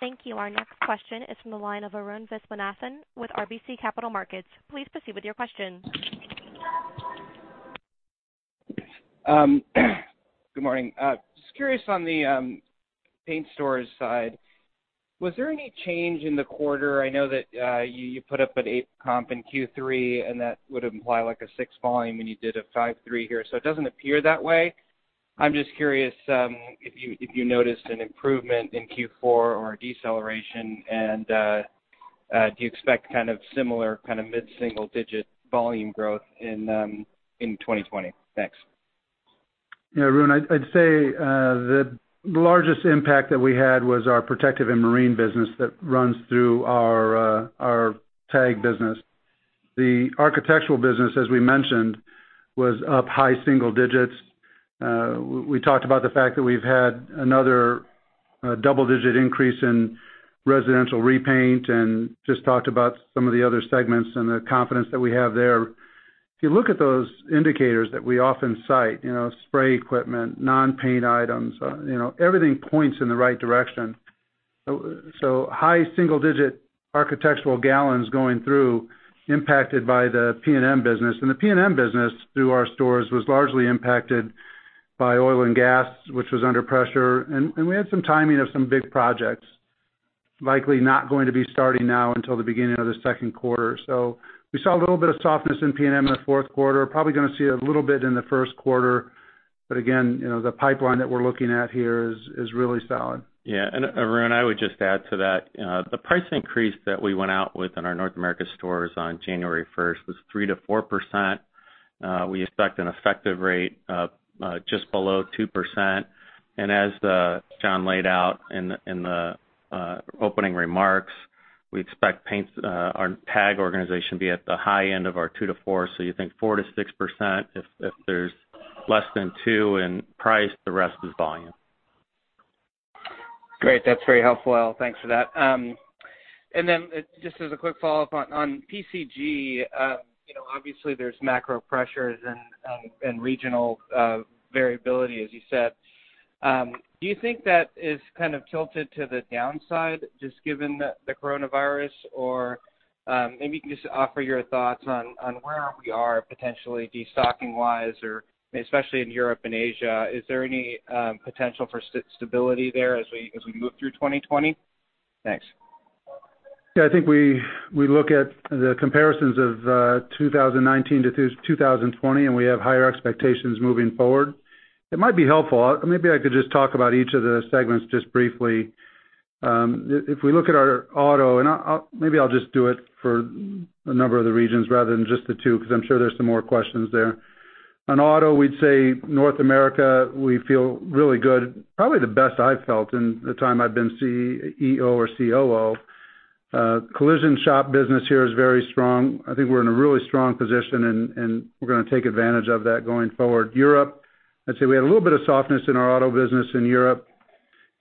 Thank you. Our next question is from the line of Arun Viswanathan with RBC Capital Markets. Please proceed with your question. Good morning. Just curious on the paint stores side, was there any change in the quarter? I know that you put up an eight comp in Q3, and that would imply like a six volume, and you did a 5.3 here, so it doesn't appear that way. I'm just curious if you noticed an improvement in Q4 or a deceleration, and do you expect kind of similar kind of mid single digit volume growth in 2020? Thanks. Yeah, Arun, I'd say the largest impact that we had was our protective and marine business that runs through our TAG business. The architectural business, as we mentioned, was up high single digits. We talked about the fact that we've had another double-digit increase in residential repaint and just talked about some of the other segments and the confidence that we have there. If you look at those indicators that we often cite, spray equipment, non-paint items, everything points in the right direction. High single digit architectural gallons going through impacted by the P&M business. The P&M business through our stores was largely impacted by oil and gas, which was under pressure. We had some timing of some big projects, likely not going to be starting now until the beginning of the second quarter. We saw a little bit of softness in P&M in the fourth quarter. Probably going to see a little bit in the first quarter. Again, the pipeline that we're looking at here is really solid. Yeah. Arun, I would just add to that. The price increase that we went out with in our North America stores on January 1st was 3%-4%. We expect an effective rate of just below 2%. As John laid out in the opening remarks, we expect our TAG organization be at the high end of our 2%-4%. You think 4%-6%. If there's less than two in price, the rest is volume. Great. That's very helpful, Al. Thanks for that. Just as a quick follow-up on PCG, obviously there's macro pressures and regional variability, as you said. Do you think that is kind of tilted to the downside, just given the coronavirus? Maybe you can just offer your thoughts on where we are potentially destocking wise or especially in Europe and Asia. Is there any potential for stability there as we move through 2020? Thanks. Yeah, I think we look at the comparisons of 2019 to 2020, and we have higher expectations moving forward. It might be helpful, maybe I could just talk about each of the segments just briefly. If we look at our auto, and maybe I'll just do it for a number of the regions rather than just the two, because I'm sure there's some more questions there. On auto, we'd say North America, we feel really good. Probably the best I've felt in the time I've been CEO or COO. Collision shop business here is very strong. I think we're in a really strong position, and we're going to take advantage of that going forward. Europe, I'd say we had a little bit of softness in our auto business in Europe.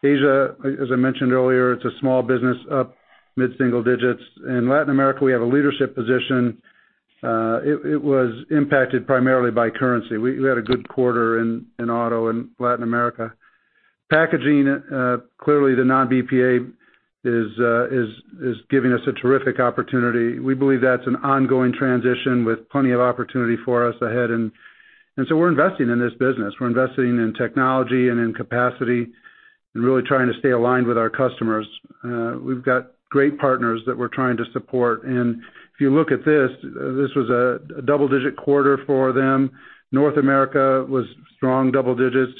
Asia, as I mentioned earlier, it's a small business up mid-single digits. In Latin America, we have a leadership position. It was impacted primarily by currency. We had a good quarter in auto in Latin America. Packaging, clearly the non-BPA is giving us a terrific opportunity. We believe that's an ongoing transition with plenty of opportunity for us ahead. We're investing in this business. We're investing in technology and in capacity and really trying to stay aligned with our customers. We've got great partners that we're trying to support. If you look at this was a double-digit quarter for them. North America was strong double digits.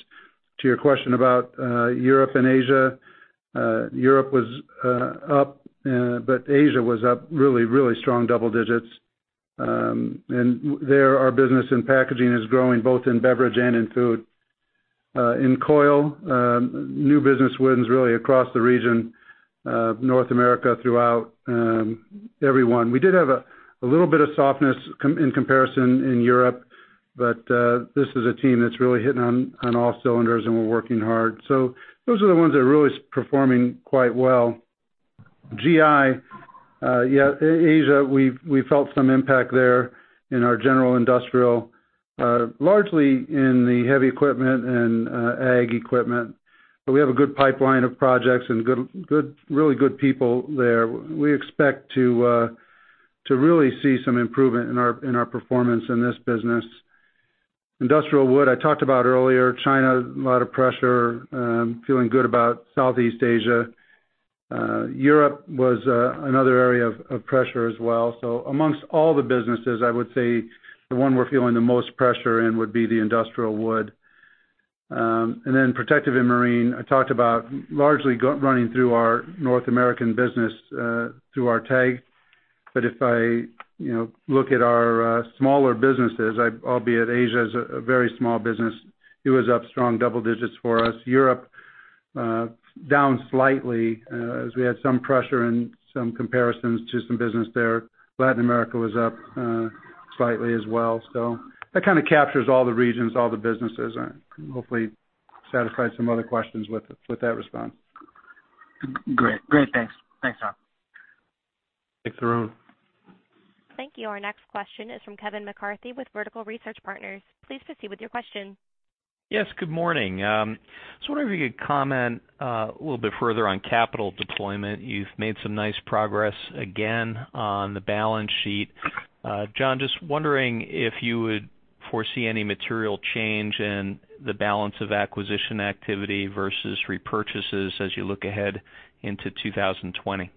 To your question about Europe and Asia, Europe was up, but Asia was up really, really strong double digits. In coil, new business wins really across the region, North America throughout, everyone. We did have a little bit of softness in comparison in Europe, but this is a team that's really hitting on all cylinders, and we're working hard. Those are the ones that are really performing quite well. GI, Asia, we felt some impact there in our general industrial, largely in the heavy equipment and Ag equipment. We have a good pipeline of projects and really good people there. We expect to really see some improvement in our performance in this business. Industrial wood, I talked about earlier, China, a lot of pressure, feeling good about Southeast Asia. Europe was another area of pressure as well. Amongst all the businesses, I would say the one we're feeling the most pressure in would be the industrial wood. Protective and Marine, I talked about largely running through our North American business through our TAG. If I look at our smaller businesses, albeit Asia is a very small business, it was up strong double digits for us. Europe, down slightly as we had some pressure and some comparisons to some business there. Latin America was up slightly as well. That kind of captures all the regions, all the businesses, and hopefully satisfies some other questions with that response. Great. Thanks, John. Thanks, Arun. Thank you. Our next question is from Kevin McCarthy with Vertical Research Partners. Please proceed with your question. Yes, good morning. I was wondering if you could comment a little bit further on capital deployment. You've made some nice progress again on the balance sheet. John, just wondering if you would foresee any material change in the balance of acquisition activity versus repurchases as you look ahead into 2020.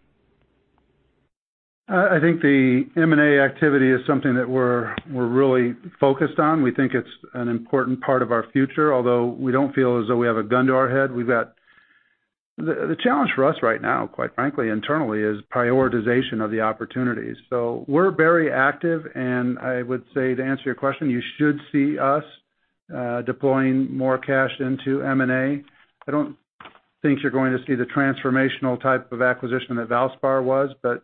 I think the M&A activity is something that we're really focused on. We think it's an important part of our future, although we don't feel as though we have a gun to our head. The challenge for us right now, quite frankly, internally, is prioritization of the opportunities. We're very active, and I would say, to answer your question, you should see us deploying more cash into M&A. I don't think you're going to see the transformational type of acquisition that Valspar was, but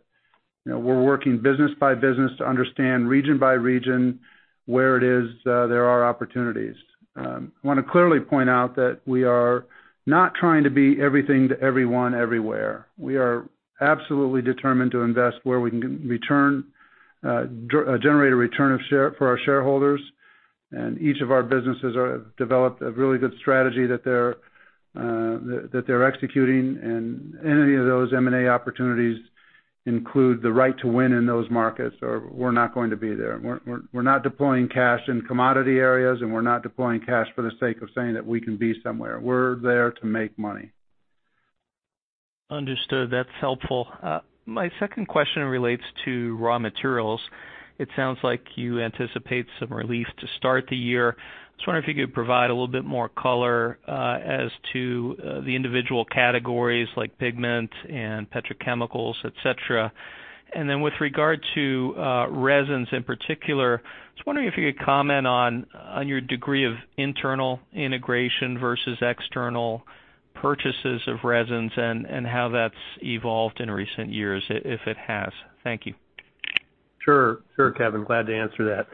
we're working business by business to understand region by region where it is there are opportunities. I want to clearly point out that we are not trying to be everything to everyone everywhere. We are absolutely determined to invest where we can generate a return for our shareholders. Each of our businesses have developed a really good strategy that they're executing. Any of those M&A opportunities include the right to win in those markets, or we're not going to be there. We're not deploying cash in commodity areas. We're not deploying cash for the sake of saying that we can be somewhere. We're there to make money. Understood. That's helpful. My second question relates to raw materials. It sounds like you anticipate some relief to start the year. I was wondering if you could provide a little bit more color as to the individual categories like pigment and petrochemicals, et cetera. With regard to resins in particular, I was wondering if you could comment on your degree of internal integration versus external purchases of resins and how that's evolved in recent years, if it has? Thank you. Sure, Kevin. Glad to answer that.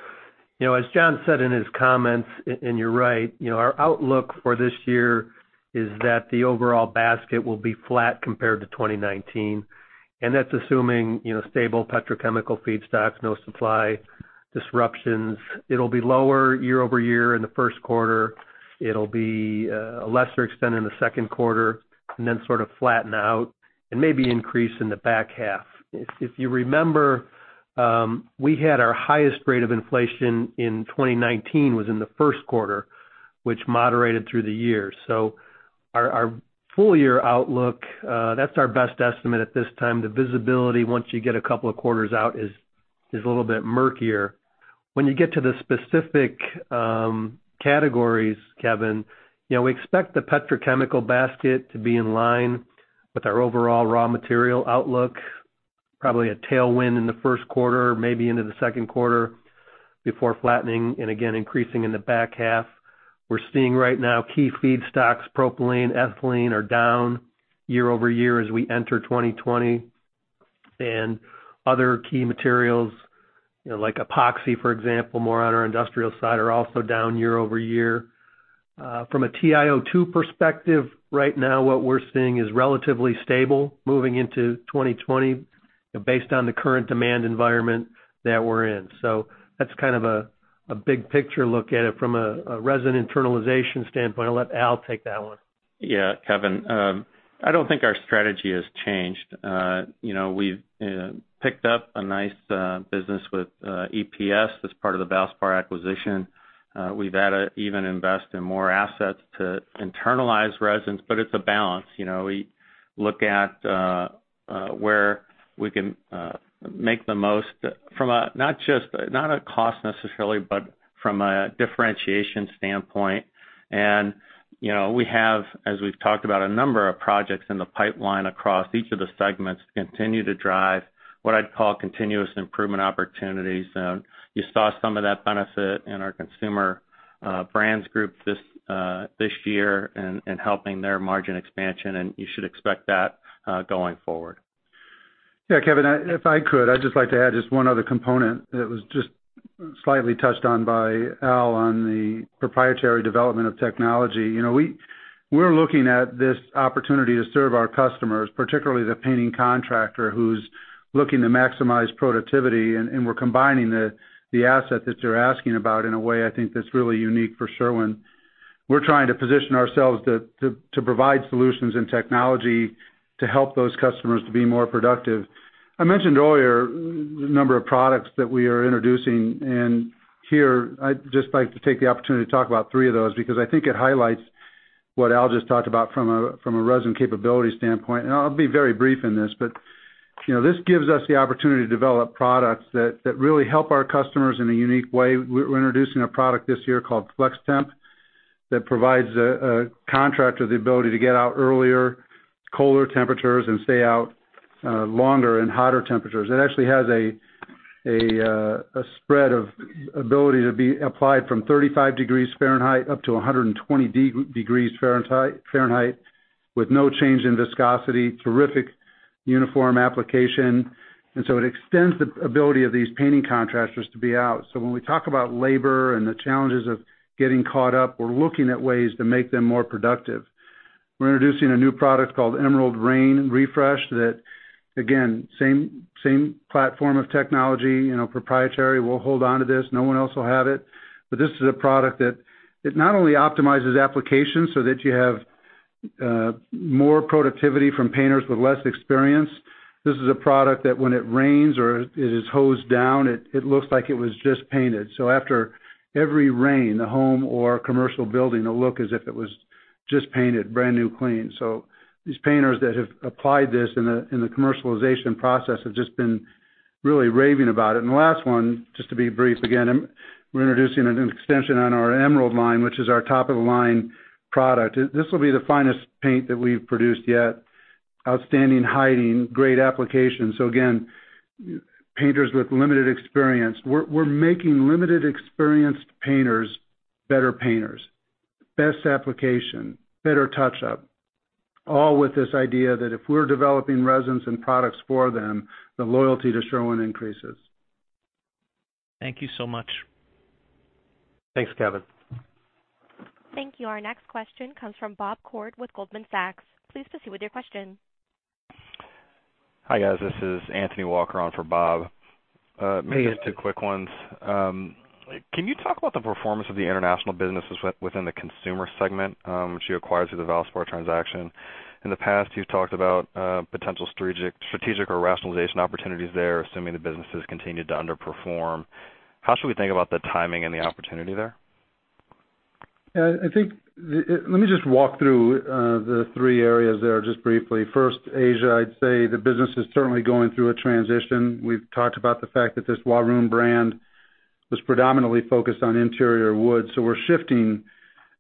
As John said in his comments, you're right our outlook for this year is that the overall basket will be flat compared to 2019. That's assuming stable petrochemical feedstocks, no supply disruptions. It'll be lower year-over-year in the first quarter. It'll be a lesser extent in the second quarter, then sort of flatten out and maybe increase in the back half. If you remember, we had our highest rate of inflation in 2019 was in the first quarter, which moderated through the year. Our full year outlook, that's our best estimate at this time. The visibility, once you get a couple of quarters out, is a little bit murkier. When you get to the specific categories, Kevin, we expect the petrochemical basket to be in line with our overall raw material outlook. Probably a tailwind in the first quarter, maybe into the second quarter before flattening, and again, increasing in the back half. We're seeing right now key feedstocks, propylene, ethylene, are down year-over-year as we enter 2020. Other key materials like epoxy, for example, more on our industrial side, are also down year-over-year. From a TIO2 perspective, right now, what we're seeing is relatively stable moving into 2020 based on the current demand environment that we're in. That's kind of a big picture look at it from a resin internalization standpoint. I'll let Al take that one. Yeah, Kevin. I don't think our strategy has changed. We've picked up a nice business with EPS as part of the Valspar acquisition. We've had to even invest in more assets to internalize resins. It's a balance. We look at where we can make the most, from not a cost necessarily, but from a differentiation standpoint. We have, as we've talked about, a number of projects in the pipeline across each of the segments to continue to drive what I'd call continuous improvement opportunities. You saw some of that benefit in our Consumer Brands Group this year in helping their margin expansion. You should expect that going forward. Yeah, Kevin, if I could, I'd just like to add just one other component that was just slightly touched on by Al on the proprietary development of technology. We're looking at this opportunity to serve our customers, particularly the painting contractor, who's looking to maximize productivity. We're combining the asset that you're asking about in a way I think that's really unique for Sherwin. We're trying to position ourselves to provide solutions and technology to help those customers to be more productive. I mentioned earlier the number of products that we are introducing. Here I'd just like to take the opportunity to talk about three of those, because I think it highlights what Al just talked about from a resin capability standpoint. I'll be very brief in this. This gives us the opportunity to develop products that really help our customers in a unique way. We're introducing a product this year called FlexTemp that provides a contractor the ability to get out earlier in colder temperatures and stay out longer in hotter temperatures. It actually has a spread of ability to be applied from 35 degrees Fahrenheit up to 120 degrees Fahrenheit with no change in viscosity. Terrific uniform application. It extends the ability of these painting contractors to be out. When we talk about labor and the challenges of getting caught up, we're looking at ways to make them more productive. We're introducing a new product called Emerald Rain Refresh that, again, same platform of technology, proprietary, we'll hold onto this. No one else will have it. This is a product that not only optimizes application so that you have more productivity from painters with less experience. This is a product that when it rains or it is hosed down, it looks like it was just painted. After every rain, the home or commercial building will look as if it was just painted brand new, clean. These painters that have applied this in the commercialization process have just been really raving about it. The last one, just to be brief again, we're introducing an extension on our Emerald line, which is our top-of-the-line product. This will be the finest paint that we've produced yet. Outstanding hiding, great application. Again, painters with limited experience. We're making limited experienced painters better painters. Best application, better touch-up, all with this idea that if we're developing resins and products for them, the loyalty to Sherwin increases. Thank you so much. Thanks, Kevin. Thank you. Our next question comes from Bob Koort with Goldman Sachs. Please proceed with your question. Hi, guys. This is Anthony Walker on for Bob. Hey, Anthony. Maybe just two quick ones. Can you talk about the performance of the international businesses within the Consumer segment, which you acquired through the Valspar transaction? In the past, you've talked about potential strategic or rationalization opportunities there, assuming the businesses continued to underperform. How should we think about the timing and the opportunity there? Let me just walk through the three areas there just briefly. First, Asia, I'd say the business is certainly going through a transition. We've talked about the fact that this Huarun brand was predominantly focused on interior wood, so we're shifting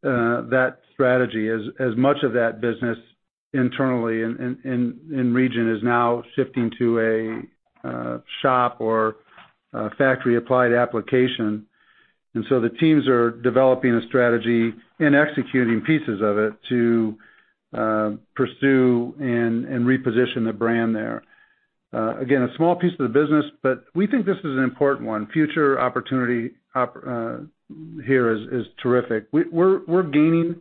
that strategy as much of that business internally in region is now shifting to a shop or factory applied application. The teams are developing a strategy and executing pieces of it to pursue and reposition the brand there. Again, a small piece of the business, but we think this is an important one. Future opportunity here is terrific. We're gaining.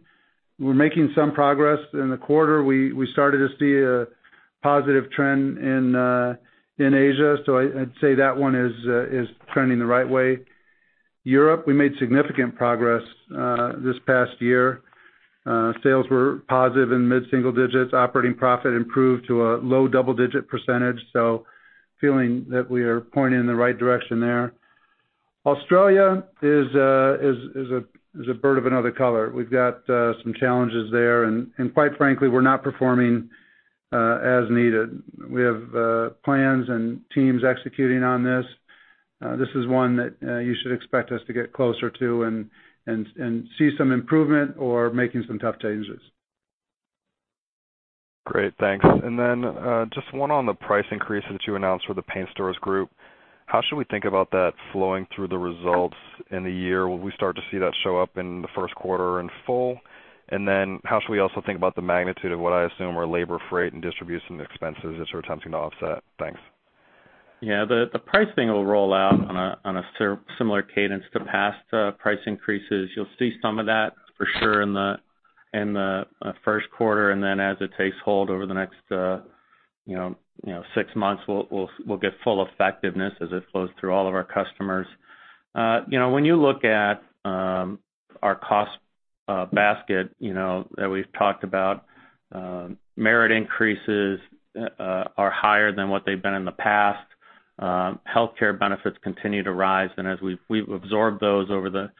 We're making some progress. In the quarter, we started to see a positive trend in Asia. I'd say that one is trending the right way. Europe, we made significant progress this past year. Sales were positive in mid-single digits. Operating profit improved to a low double-digit percentage. Feeling that we are pointing in the right direction there. Australia is a bird of another color. We've got some challenges there, and quite frankly, we're not performing as needed. We have plans and teams executing on this. This is one that you should expect us to get closer to, and see some improvement or making some tough changes. Great, thanks. Just one on the price increase that you announced for the paint stores group. How should we think about that flowing through the results in the year? Will we start to see that show up in the first quarter in full? How should we also think about the magnitude of what I assume are labor, freight, and distribution expenses that you're attempting to offset? Thanks. Yeah. The pricing will roll out on a similar cadence to past price increases. You'll see some of that for sure in the first quarter, then as it takes hold over the next six months, we'll get full effectiveness as it flows through all of our customers. When you look at our cost basket that we've talked about, merit increases are higher than what they've been in the past. Healthcare benefits continue to rise, as we've absorbed those over the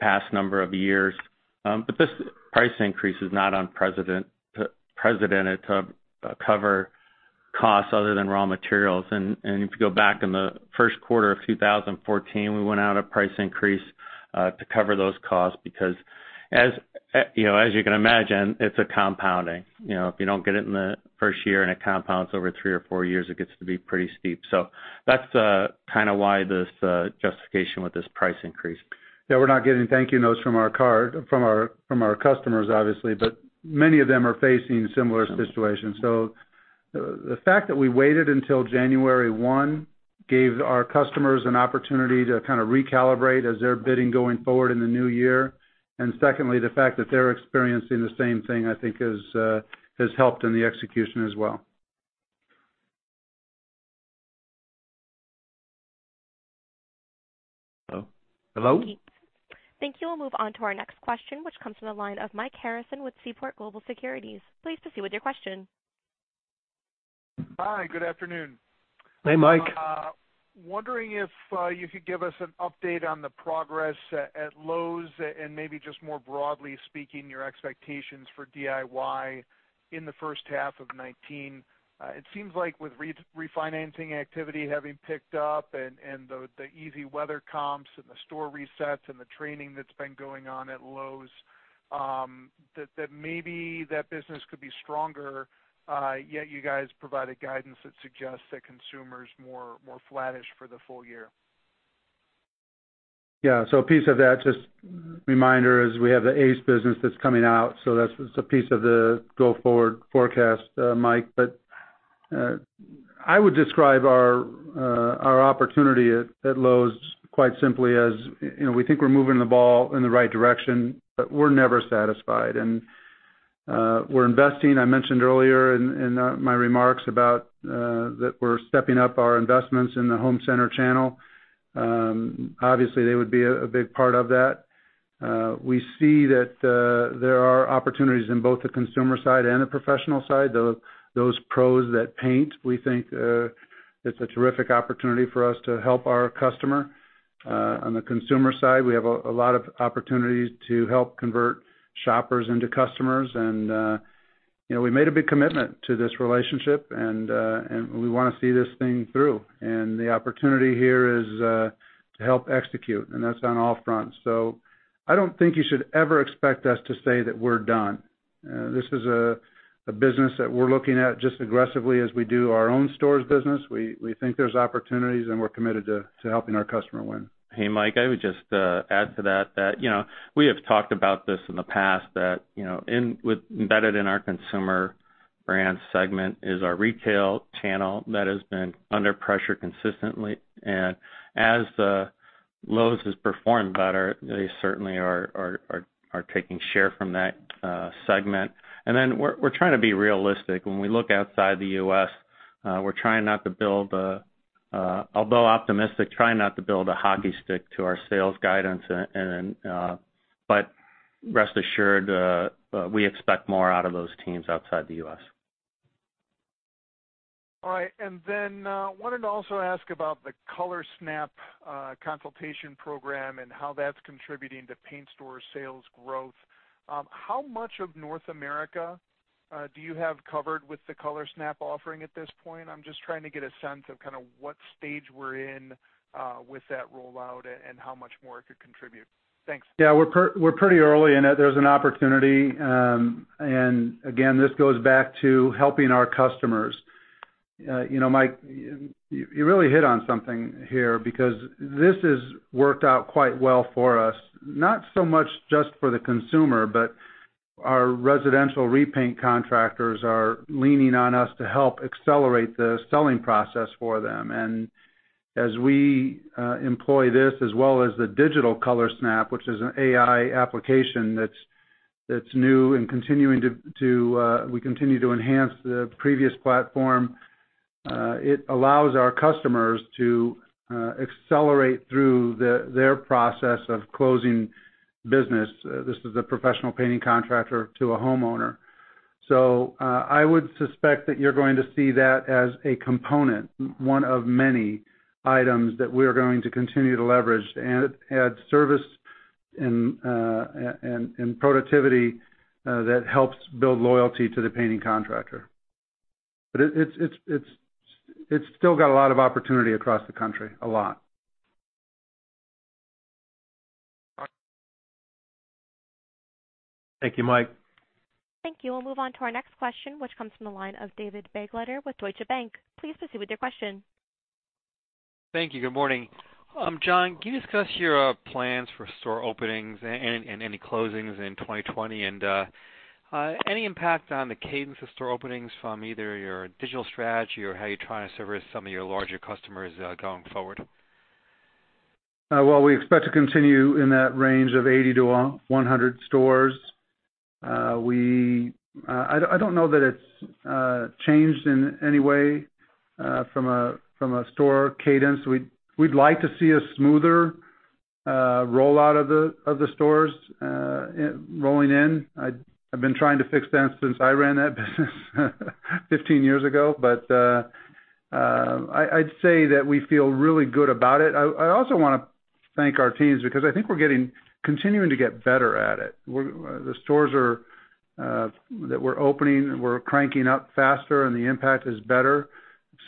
past number of years. This price increase is not unprecedented to cover costs other than raw materials. If you go back in the first quarter of 2014, we went out a price increase to cover those costs because as you can imagine, it's a compounding. If you don't get it in the first year, and it compounds over three or four years, it gets to be pretty steep. That's kind of why this justification with this price increase. Yeah, we're not getting thank you notes from our customers, obviously, but many of them are facing similar situations. The fact that we waited until January 1 gave our customers an opportunity to kind of recalibrate as they're bidding going forward in the new year. Secondly, the fact that they're experiencing the same thing, I think, has helped in the execution as well. Hello? Hello? Thank you. We'll move on to our next question, which comes from the line of Mike Harrison with Seaport Global Securities. Please proceed with your question. Hi, good afternoon. Hey, Mike. Wondering if you could give us an update on the progress at Lowe's and maybe just more broadly speaking, your expectations for DIY in the first half of 2019. It seems like with refinancing activity having picked up and the easy weather comps and the store resets and the training that's been going on at Lowe's, that maybe that business could be stronger, yet you guys provided guidance that suggests that consumer's more flattish for the full year. Yeah. A piece of that, just reminder, is we have the Ace business that's coming out, so that's a piece of the go-forward forecast, Mike. I would describe our opportunity at Lowe's quite simply as, we think we're moving the ball in the right direction, but we're never satisfied. We're investing, I mentioned earlier in my remarks, that we're stepping up our investments in the home center channel. Obviously, they would be a big part of that. We see that there are opportunities in both the consumer side and the professional side. Those pros that paint, we think it's a terrific opportunity for us to help our customer. On the consumer side, we have a lot of opportunities to help convert shoppers into customers. We made a big commitment to this relationship, and we want to see this thing through. The opportunity here is to help execute, and that's on all fronts. I don't think you should ever expect us to say that we're done. This is a business that we're looking at just aggressively as we do our own stores business. We think there's opportunities, and we're committed to helping our customer win. Hey, Mike, I would just add to that, we have talked about this in the past that embedded in our Consumer Brands segment is our retail channel that has been under pressure consistently. As the Lowe's has performed better, they certainly are taking share from that segment. Then we're trying to be realistic. When we look outside the U.S., although optimistic, trying not to build a hockey stick to our sales guidance. Rest assured, we expect more out of those teams outside the U.S. All right. I wanted to also ask about the ColorSnap consultation program and how that's contributing to paint store sales growth. How much of North America do you have covered with the ColorSnap offering at this point? I'm just trying to get a sense of kind of what stage we're in with that rollout and how much more it could contribute? Thanks. Yeah. We're pretty early in it. There's an opportunity. Again, this goes back to helping our customers. Mike, you really hit on something here because this has worked out quite well for us. Not so much just for the consumer, but our residential repaint contractors are leaning on us to help accelerate the selling process for them. As we employ this, as well as the digital ColorSnap, which is an AI application that's new and we continue to enhance the previous platform, it allows our customers to accelerate through their process of closing business. This is a professional painting contractor to a homeowner. I would suspect that you're going to see that as a component, one of many items that we are going to continue to leverage to add service and productivity that helps build loyalty to the painting contractor. It's still got a lot of opportunity across the country, a lot. Awesome. Thank you, Mike. Thank you. We'll move on to our next question, which comes from the line of David Begleiter with Deutsche Bank. Please proceed with your question. Thank you. Good morning. John, can you discuss your plans for store openings and any closings in 2020? Any impact on the cadence of store openings from either your digital strategy or how you're trying to service some of your larger customers going forward? Well, we expect to continue in that range of 80-100 stores. I don't know that it's changed in any way from a store cadence. We'd like to see a smoother rollout of the stores rolling in. I've been trying to fix that since I ran that business 15 years ago. I'd say that we feel really good about it. I also want to thank our teams because I think we're continuing to get better at it. The stores that we're opening, we're cranking up faster, and the impact is better.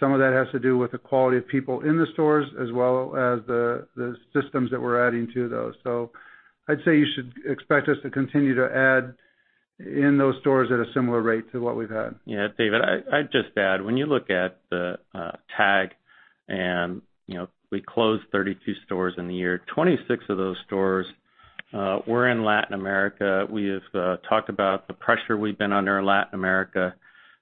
Some of that has to do with the quality of people in the stores, as well as the systems that we're adding to those. I'd say you should expect us to continue to add in those stores at a similar rate to what we've had. David, I'd just add, when you look at the TAG, we closed 32 stores in the year, 26 of those stores were in Latin America. We have talked about the pressure we've been under in Latin America.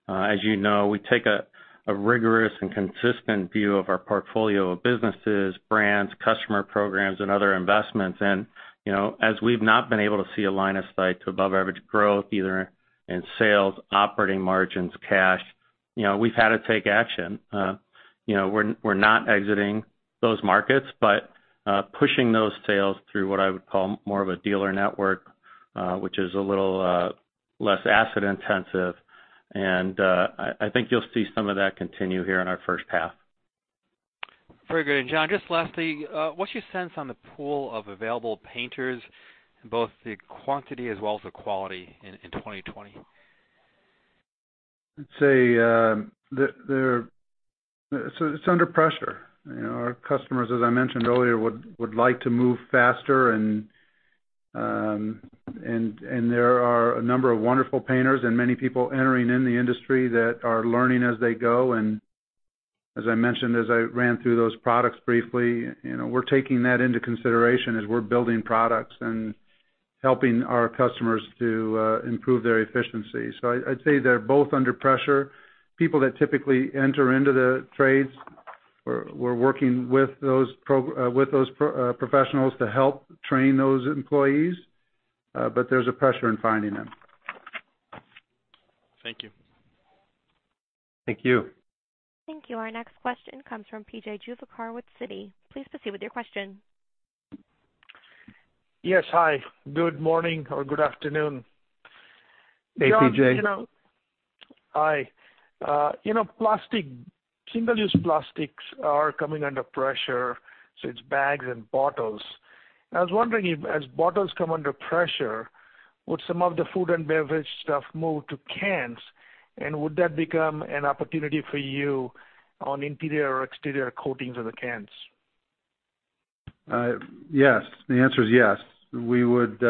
As you know, we take a rigorous and consistent view of our portfolio of businesses, brands, customer programs, and other investments. As we've not been able to see a line of sight to above-average growth, either in sales, operating margins, cash, we've had to take action. We're not exiting those markets, but pushing those sales through what I would call more of a dealer network, which is a little less asset intensive, and I think you'll see some of that continue here in our first half. Very good. John, just lastly, what's your sense on the pool of available painters, both the quantity as well as the quality in 2020? I'd say it's under pressure. Our customers, as I mentioned earlier, would like to move faster and there are a number of wonderful painters and many people entering in the industry that are learning as they go. As I mentioned, as I ran through those products briefly, we're taking that into consideration as we're building products and helping our customers to improve their efficiency. I'd say they're both under pressure. People that typically enter into the trades, we're working with those professionals to help train those employees, but there's a pressure in finding them. Thank you. Thank you. Thank you. Our next question comes from P.J. Juvekar with Citi. Please proceed with your question. Yes. Hi, good morning or good afternoon. Hey, P.J. Hi. Plastic, single-use plastics are coming under pressure. It's bags and bottles. I was wondering if, as bottles come under pressure, would some of the food and beverage stuff move to cans. Would that become an opportunity for you on interior or exterior coatings of the cans? Yes. The answer is yes. We would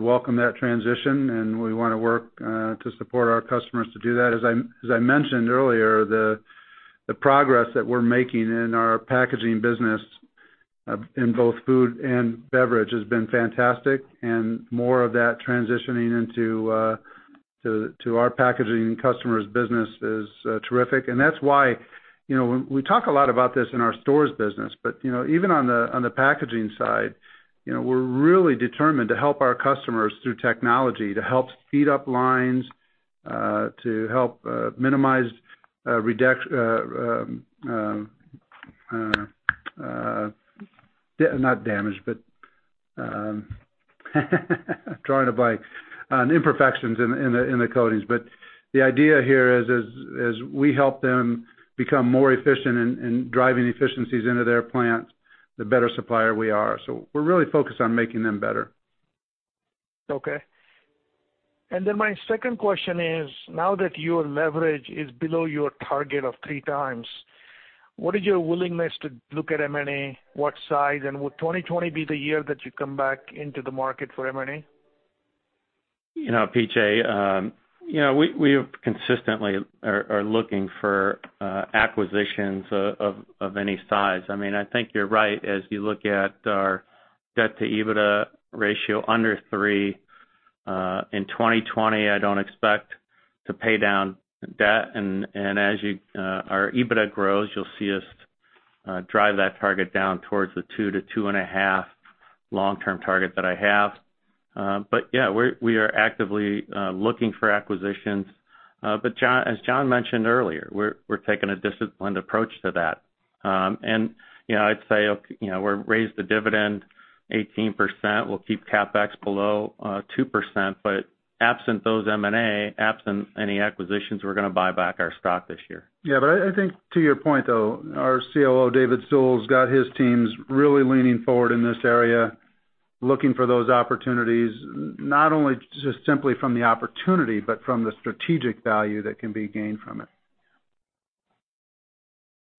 welcome that transition, and we want to work to support our customers to do that. As I mentioned earlier, the progress that we're making in our packaging business in both food and beverage has been fantastic, and more of that transitioning into our packaging customers' business is terrific. That's why, we talk a lot about this in our stores business, but even on the packaging side, we're really determined to help our customers through technology to help speed up lines, to help minimize Not damage, but trying to bite on imperfections in the coatings. The idea here is as we help them become more efficient in driving efficiencies into their plants, the better supplier we are. We're really focused on making them better. Okay. My second question is, now that your leverage is below your target of 3x, what is your willingness to look at M&A, what size, and would 2020 be the year that you come back into the market for M&A? P.J., we consistently are looking for acquisitions of any size. I think you're right, as you look at our debt to EBITDA ratio under three. In 2020, I don't expect to pay down debt. As our EBITDA grows, you'll see us drive that target down towards the 2x-2.5x long-term target that I have. Yeah, we are actively looking for acquisitions. As John mentioned earlier, we're taking a disciplined approach to that. I'd say we raised the dividend 18%, we'll keep CapEx below 2%, but absent those M&A, absent any acquisitions, we're going to buy back our stock this year. Yeah, I think to your point, though, our COO, David Sewell, got his teams really leaning forward in this area, looking for those opportunities, not only just simply from the opportunity, but from the strategic value that can be gained from it.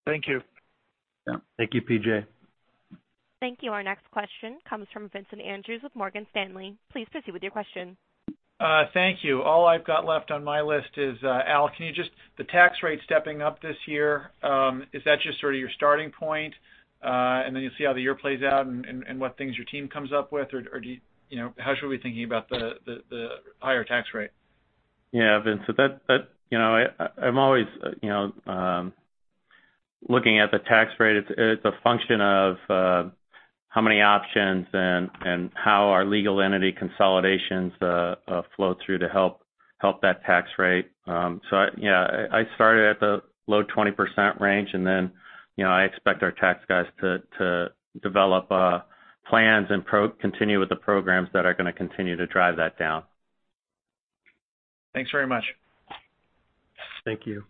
Thank you. Yeah. Thank you, PJ. Thank you. Our next question comes from Vincent Andrews with Morgan Stanley. Please proceed with your question. Thank you. All I've got left on my list is, Al, the tax rate stepping up this year, is that just sort of your starting point, and then you'll see how the year plays out and what things your team comes up with? Or how should we be thinking about the higher tax rate? Yeah, Vincent. I'm always looking at the tax rate. It's a function of how many options and how our legal entity consolidations flow through to help that tax rate. Yeah, I started at the low 20% range, and then, I expect our tax guys to develop plans and continue with the programs that are going to continue to drive that down. Thanks very much. Thank you.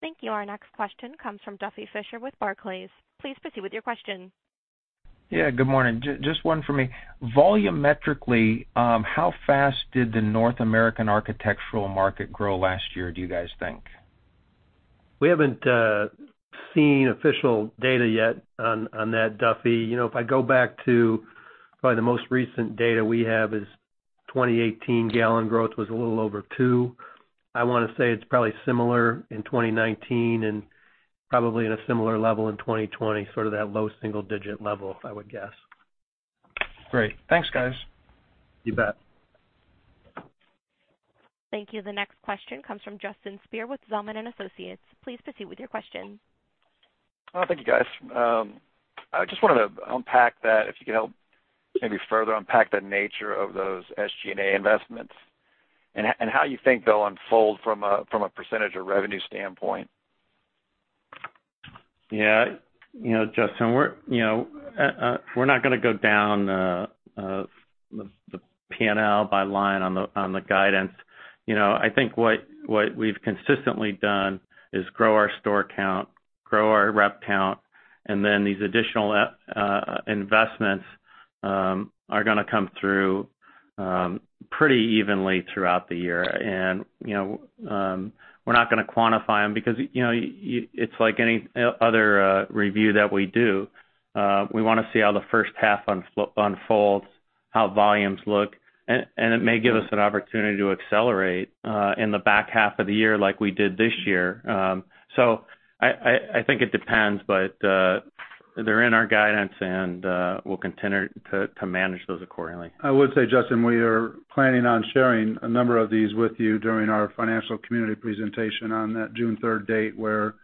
Thank you. Our next question comes from Duffy Fischer with Barclays. Please proceed with your question. Good morning. Just one for me. Volumetrically, how fast did the North American architectural market grow last year, do you guys think? We haven't seen official data yet on that, Duffy. If I go back to probably the most recent data we have is 2018 gallon growth was a little over two. I want to say it's probably similar in 2019 and probably at a similar level in 2020, sort of that low single digit level, I would guess. Great. Thanks, guys. You bet. Thank you. The next question comes from Justin Speer with Zelman & Associates. Please proceed with your question. Thank you, guys. I just wanted to unpack that, if you could help maybe further unpack the nature of those SG&A investments, and how you think they'll unfold from a percentage of revenue standpoint? Yeah. Justin, we're not going to go down the P&L by line on the guidance. I think what we've consistently done is grow our store count, grow our rep count, and then these additional investments are going to come through pretty evenly throughout the year. We're not going to quantify them because it's like any other review that we do. We want to see how the first half unfolds, how volumes look, and it may give us an opportunity to accelerate in the back half of the year like we did this year. I think it depends, but they're in our guidance, and we'll continue to manage those accordingly. I would say, Justin, we are planning on sharing a number of these with you during our financial community presentation on that June 3rd date, where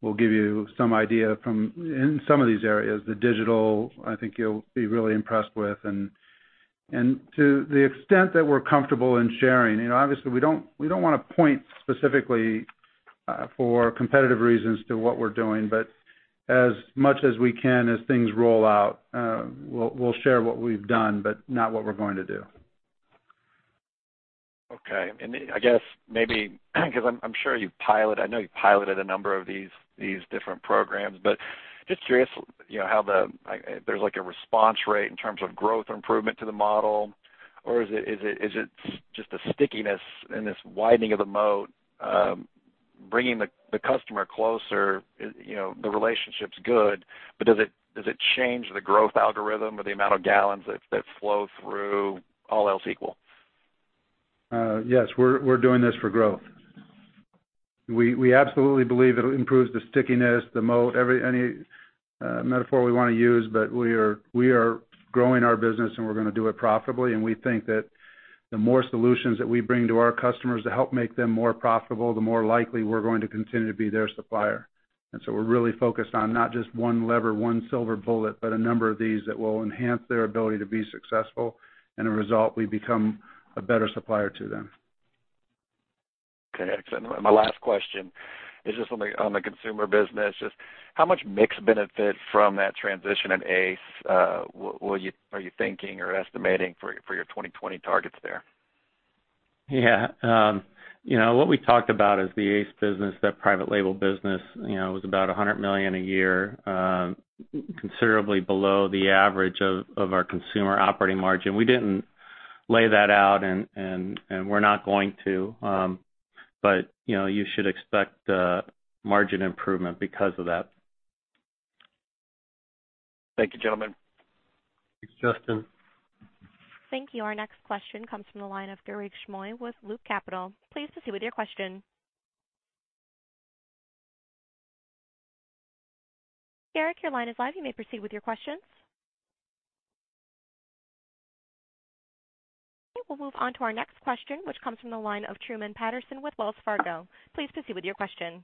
we'll give you some idea from in some of these areas. The digital, I think you'll be really impressed with. To the extent that we're comfortable in sharing, obviously, we don't want to point specifically for competitive reasons to what we're doing, but as much as we can, as things roll out, we'll share what we've done, but not what we're going to do. Okay. I guess maybe because I know you piloted a number of these different programs, but just curious, there's like a response rate in terms of growth improvement to the model. Is it just a stickiness and this widening of the moat, bringing the customer closer, the relationship's good, but does it change the growth algorithm or the amount of gallons that flow through, all else equal? Yes, we're doing this for growth. We absolutely believe it improves the stickiness, the moat, any metaphor we want to use, but we are growing our business, and we're going to do it profitably. We think that the more solutions that we bring to our customers to help make them more profitable, the more likely we're going to continue to be their supplier. We're really focused on not just one lever, one silver bullet, but a number of these that will enhance their ability to be successful, and a result, we become a better supplier to them. Okay, excellent. My last question is just on the consumer business. Just how much mix benefit from that transition in Ace were you thinking or estimating for your 2020 targets there? Yeah. What we talked about is the Ace business, that private label business, was about $100 million a year, considerably below the average of our consumer operating margin. We didn't lay that out, and we're not going to. You should expect a margin improvement because of that. Thank you, gentlemen. Thanks, Justin. Thank you. Our next question comes from the line of Garik Shmois with Loop Capital. Please proceed with your question. Garik, your line is live. You may proceed with your questions. We'll move on to our next question, which comes from the line of Truman Patterson with Wells Fargo. Please proceed with your question.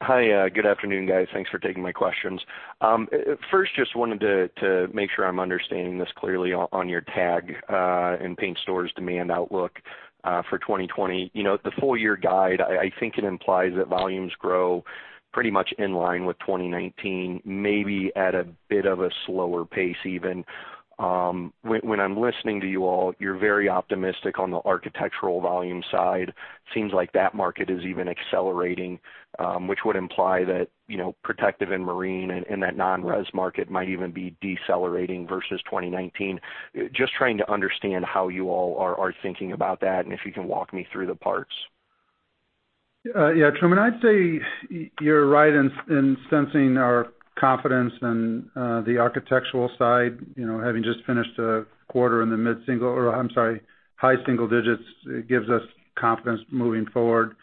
Hi. Good afternoon, guys. Thanks for taking my questions. First, just wanted to make sure I'm understanding this clearly on your TAG in paint stores demand outlook for 2020. The full-year guide, I think it implies that volumes grow pretty much in line with 2019, maybe at a bit of a slower pace even. When I'm listening to you all, you're very optimistic on the architectural volume side. Seems like that market is even accelerating, which would imply that protective and marine and that non-res market might even be decelerating versus 2019. Just trying to understand how you all are thinking about that and if you can walk me through the parts. Truman, I'd say you're right in sensing our confidence in the architectural side. Having just finished a quarter in the mid-single, or I'm sorry, high single digits, it gives us confidence moving forward.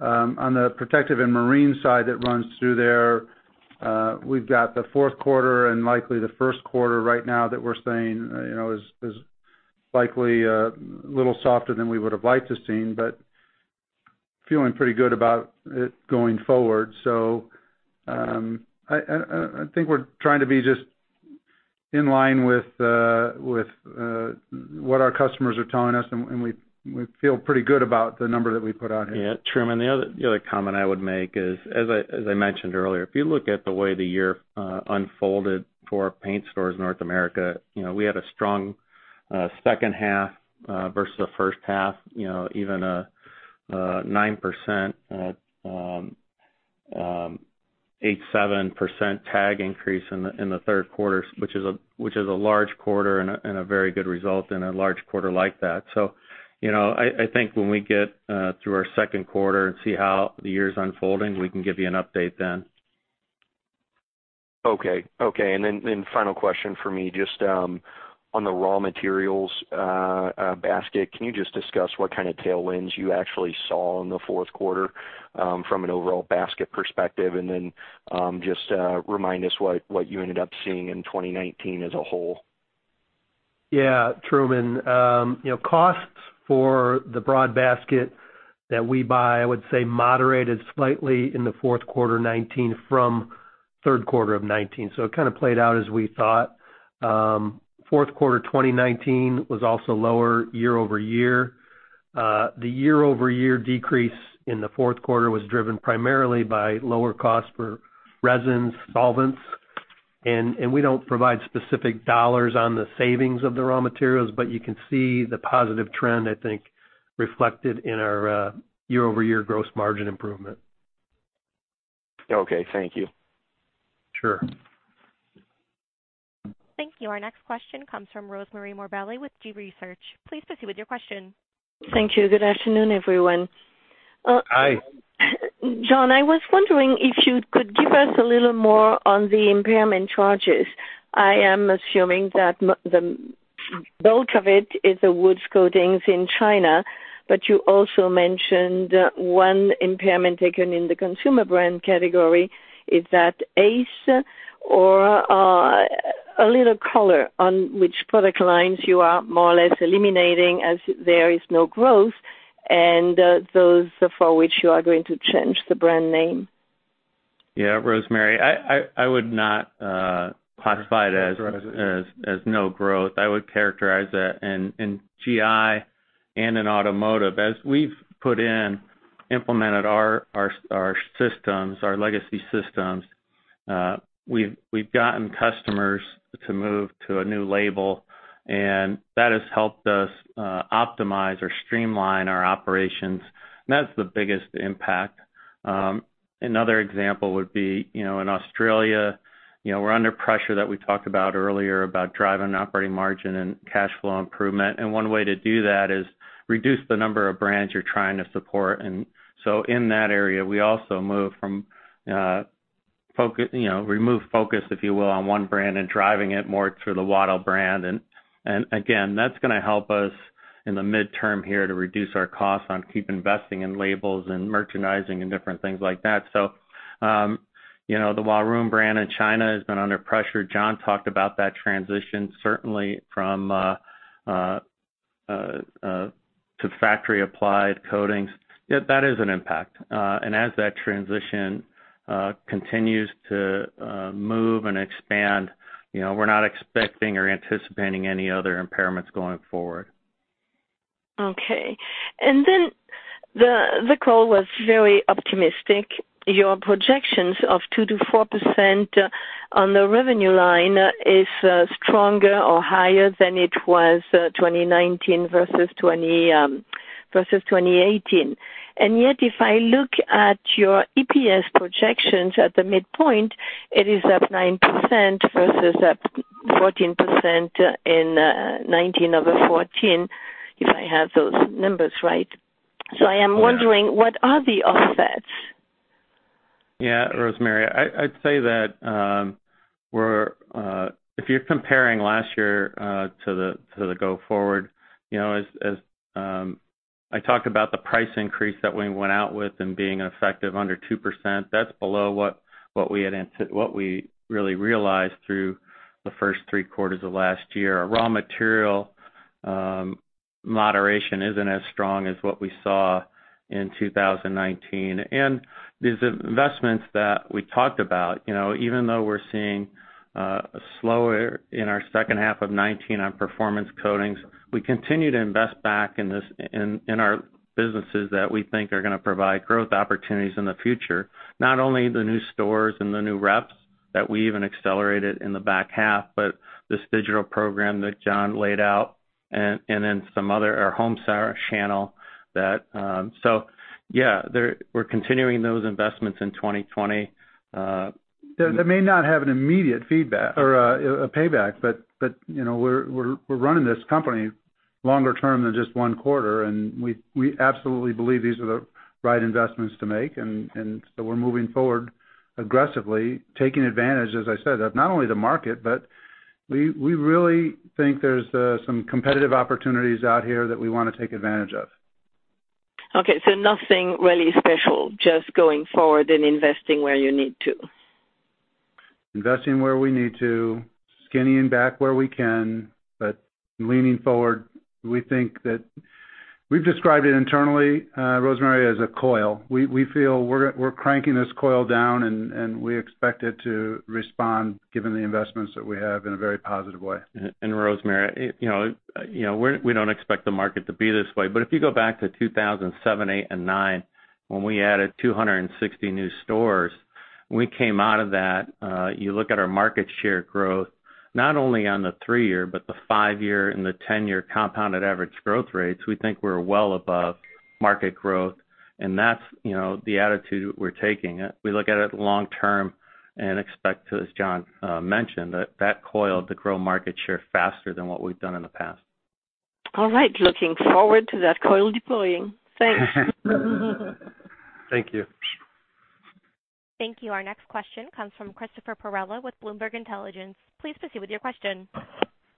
On the protective and marine side that runs through there, we've got the fourth quarter and likely the first quarter right now that we're saying is likely a little softer than we would have liked to have seen, but feeling pretty good about it going forward. I think we're trying to be just in line with what our customers are telling us, and we feel pretty good about the number that we put out here. Yeah, Truman, the other comment I would make is, as I mentioned earlier, if you look at the way the year unfolded for Paint Stores North America, we had a strong second half versus the first half, even a 9%, 8%, 7% TAG increase in the third quarter, which is a large quarter and a very good result in a large quarter like that. I think when we get through our second quarter and see how the year's unfolding, we can give you an update then. Okay. Final question for me, just on the raw materials basket. Can you just discuss what kind of tailwinds you actually saw in the fourth quarter from an overall basket perspective? Just remind us what you ended up seeing in 2019 as a whole? Yeah, Truman. Costs for the broad basket that we buy, I would say moderated slightly in the fourth quarter 2019 from third quarter of 2019. It kind of played out as we thought. Fourth quarter 2019 was also lower year-over-year. The year-over-year decrease in the fourth quarter was driven primarily by lower cost for resins, solvents, and we don't provide specific dollars on the savings of the raw materials. You can see the positive trend, I think, reflected in our year-over-year gross margin improvement. Okay. Thank you. Sure. Thank you. Our next question comes from Rosemarie Morbelli with G.research. Please proceed with your question. Thank you. Good afternoon, everyone. Hi. John, I was wondering if you could give us a little more on the impairment charges. I am assuming that the bulk of it is the woods coatings in China, but you also mentioned one impairment taken in the Consumer Brands category. Is that Ace? A little color on which product lines you are more or less eliminating as there is no growth, and those for which you are going to change the brand name. Yeah, Rosemarie. I would not classify it as no growth. I would characterize that in GI and in automotive. As we've implemented our systems, our legacy systems, we've gotten customers to move to a new label, and that has helped us optimize or streamline our operations. That's the biggest impact. Another example would be, in Australia, we're under pressure that we talked about earlier about driving operating margin and cash flow improvement, and one way to do that is reduce the number of brands you're trying to support. In that area, we also remove focus, if you will, on one brand and driving it more through the Wattyl brand. Again, that's going to help us in the midterm here to reduce our costs on keep investing in labels and merchandising and different things like that. The Huarun brand in China has been under pressure. John talked about that transition certainly to factory applied coatings. That is an impact. As that transition continues to move and expand, we're not expecting or anticipating any other impairments going forward. Okay. The call was very optimistic. Your projections of 2%-4% on the revenue line is stronger or higher than it was 2019 versus 2018. Yet, if I look at your EPS projections at the midpoint, it is up 9% versus up 14% in 2019 over 2014, if I have those numbers right. I am wondering what are the offsets? Yeah, Rosemarie. I'd say that if you're comparing last year to the go forward, as I talked about the price increase that we went out with and being effective under 2%, that's below what we really realized through the first three quarters of last year. Our raw material moderation isn't as strong as what we saw in 2019. These investments that we talked about, even though we're seeing a slower in our second half of 2019 on Performance Coatings, we continue to invest back in our businesses that we think are going to provide growth opportunities in the future. Not only the new stores and the new reps that we even accelerated in the back half, but this digital program that John laid out, and then some other, our home channel. Yeah, we're continuing those investments in 2020. That may not have an immediate feedback or a payback, but we're running this company longer term than just one quarter. We absolutely believe these are the right investments to make. We're moving forward aggressively, taking advantage, as I said, of not only the market, but we really think there's some competitive opportunities out here that we want to take advantage of. Nothing really special, just going forward and investing where you need to. Investing where we need to, skinning back where we can, but leaning forward. We think that we've described it internally, Rosemarie, as a coil. We feel we're cranking this coil down, and we expect it to respond given the investments that we have in a very positive way. Rosemarie, we don't expect the market to be this way, but if you go back to 2007, 2008, and 2009, when we added 260 new stores, we came out of that, you look at our market share growth, not only on the three-year, but the five-year and the 10-year compounded average growth rates, we think we're well above market growth, and that's the attitude we're taking. We look at it long term and expect to, as John mentioned, that coil to grow market share faster than what we've done in the past. All right. Looking forward to that coil deploying. Thanks. Thank you. Thank you. Our next question comes from Christopher Perrella with Bloomberg Intelligence. Please proceed with your question.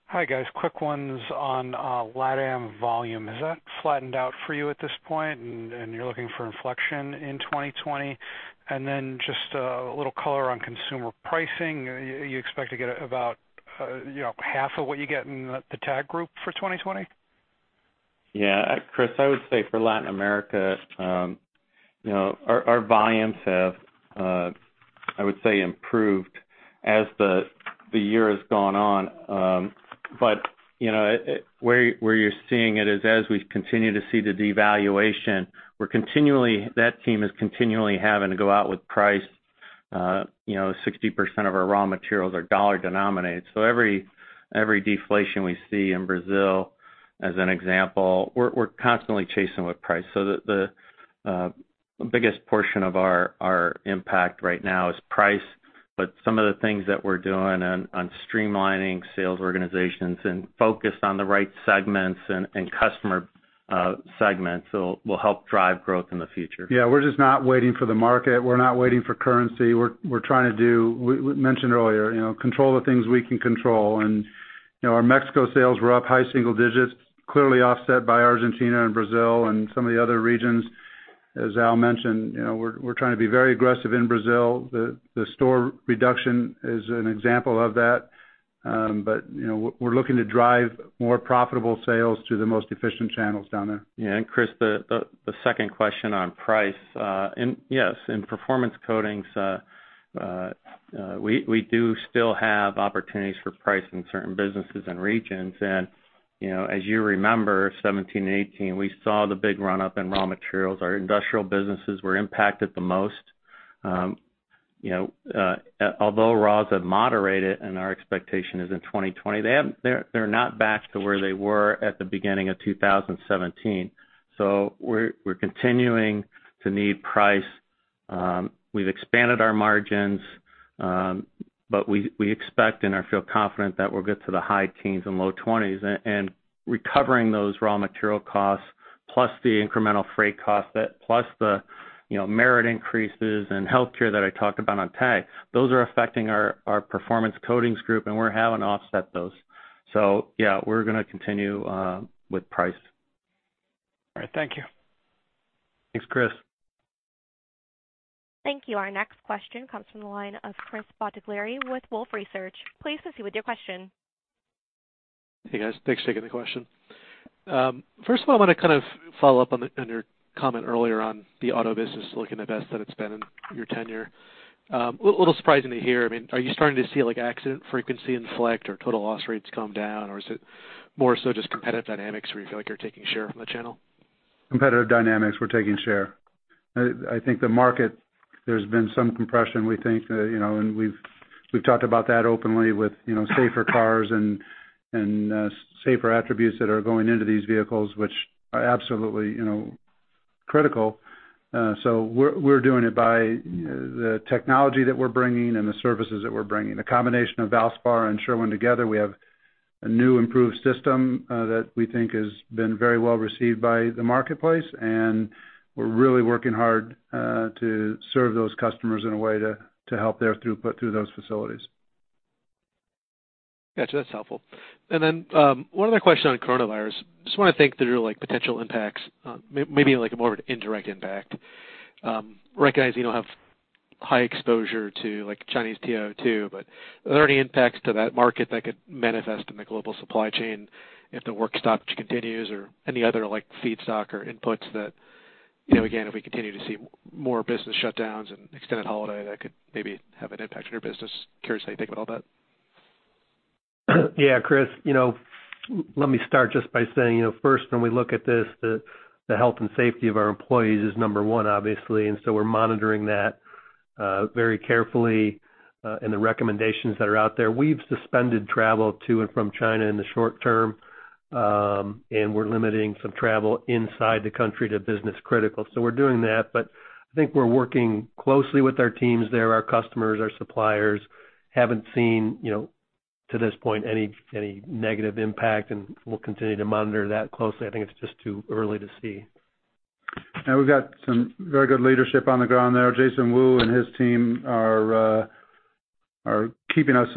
Hi, guys. Quick ones on LatAm volume. Has that flattened out for you at this point and you're looking for inflection in 2020? Just a little color on consumer pricing. You expect to get about half of what you get in the TAG group for 2020? Yeah. Chris, I would say for Latin America, our volumes have, I would say, improved as the year has gone on. Where you're seeing it is as we continue to see the devaluation, that team is continually having to go out with price. 60% of our raw materials are dollar denominated, every deflation we see in Brazil, as an example, we're constantly chasing with price. The biggest portion of our impact right now is price. Some of the things that we're doing on streamlining sales organizations and focused on the right segments and customer segments will help drive growth in the future. We're just not waiting for the market. We're not waiting for currency. We're trying to do, we mentioned earlier, control the things we can control. Our Mexico sales were up high single digits, clearly offset by Argentina and Brazil and some of the other regions. As Al mentioned, we're trying to be very aggressive in Brazil. The store reduction is an example of that. We're looking to drive more profitable sales through the most efficient channels down there. Chris, the second question on price. Yes, in Performance Coatings, we do still have opportunities for price in certain businesses and regions. As you remember, 2017 and 2018, we saw the big run-up in raw materials. Our industrial businesses were impacted the most. Although raws have moderated and our expectation is in 2020, they're not back to where they were at the beginning of 2017. We're continuing to need price. We've expanded our margins, but we expect and feel confident that we'll get to the high teens and low 20s. Recovering those raw material costs, plus the incremental freight cost, plus the merit increases in healthcare that I talked about on TAG, those are affecting our Performance Coatings Group, and we're having to offset those. We're going to continue with price. All right. Thank you. Thanks, Chris. Thank you. Our next question comes from the line of Chris Bottiglieri with Wolfe Research. Please proceed with your question. Hey, guys. Thanks for taking the question. First of all, I want to kind of follow up on your comment earlier on the auto business looking the best that it's been in your tenure. A little surprising to hear. Are you starting to see accident frequency inflect or total loss rates come down? Or is it more so just competitive dynamics where you feel like you're taking share from the channel? Competitive dynamics, we're taking share. I think the market, there's been some compression. We think that, and we've talked about that openly with safer cars and safer attributes that are going into these vehicles, which are absolutely critical. We're doing it by the technology that we're bringing and the services that we're bringing. The combination of Valspar and Sherwin together, we have a new improved system that we think has been very well received by the marketplace, and we're really working hard to serve those customers in a way to help their throughput through those facilities. Got you. That's helpful. One other question on coronavirus. Just want to think through potential impacts, maybe more of an indirect impact. Recognizing you don't have high exposure to Chinese TIO2, but are there any impacts to that market that could manifest in the global supply chain if the work stoppage continues? Any other feedstock or inputs that, again, if we continue to see more business shutdowns and extended holiday, that could maybe have an impact on your business? Curious how you think about all that. Yeah, Chris. Let me start just by saying, first, when we look at this, the health and safety of our employees is number one, obviously. We're monitoring that very carefully and the recommendations that are out there. We've suspended travel to and from China in the short term. We're limiting some travel inside the country to business critical. We're doing that. I think we're working closely with our teams there, our customers, our suppliers. Haven't seen, to this point, any negative impact. We'll continue to monitor that closely. I think it's just too early to see. We've got some very good leadership on the ground there. Jason Wu and his team are keeping us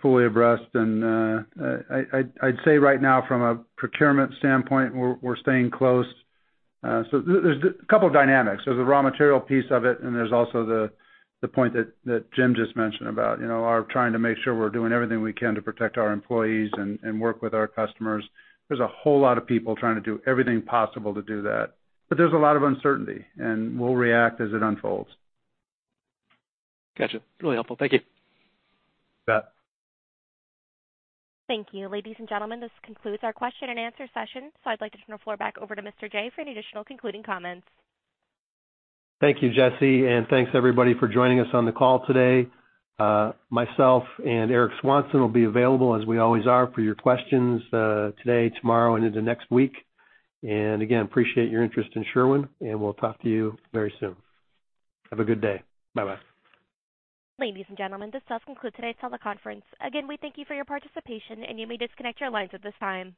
fully abreast. I'd say right now from a procurement standpoint, we're staying close. There's a couple of dynamics. There's a raw material piece of it, and there's also the point that Jim just mentioned about our trying to make sure we're doing everything we can to protect our employees and work with our customers. There's a whole lot of people trying to do everything possible to do that. There's a lot of uncertainty, and we'll react as it unfolds. Got you. Really helpful. Thank you. You bet. Thank you. Ladies and gentlemen, this concludes our question and answer session. I'd like to turn the floor back over to Mr. Jaye for any additional concluding comments. Thank you, Jesse, thanks everybody for joining us on the call today. Myself and Eric Swanson will be available as we always are for your questions today, tomorrow, and into next week. Again, appreciate your interest in Sherwin, and we'll talk to you very soon. Have a good day. Bye-bye. Ladies and gentlemen, this does conclude today's teleconference. Again, we thank you for your participation, and you may disconnect your lines at this time.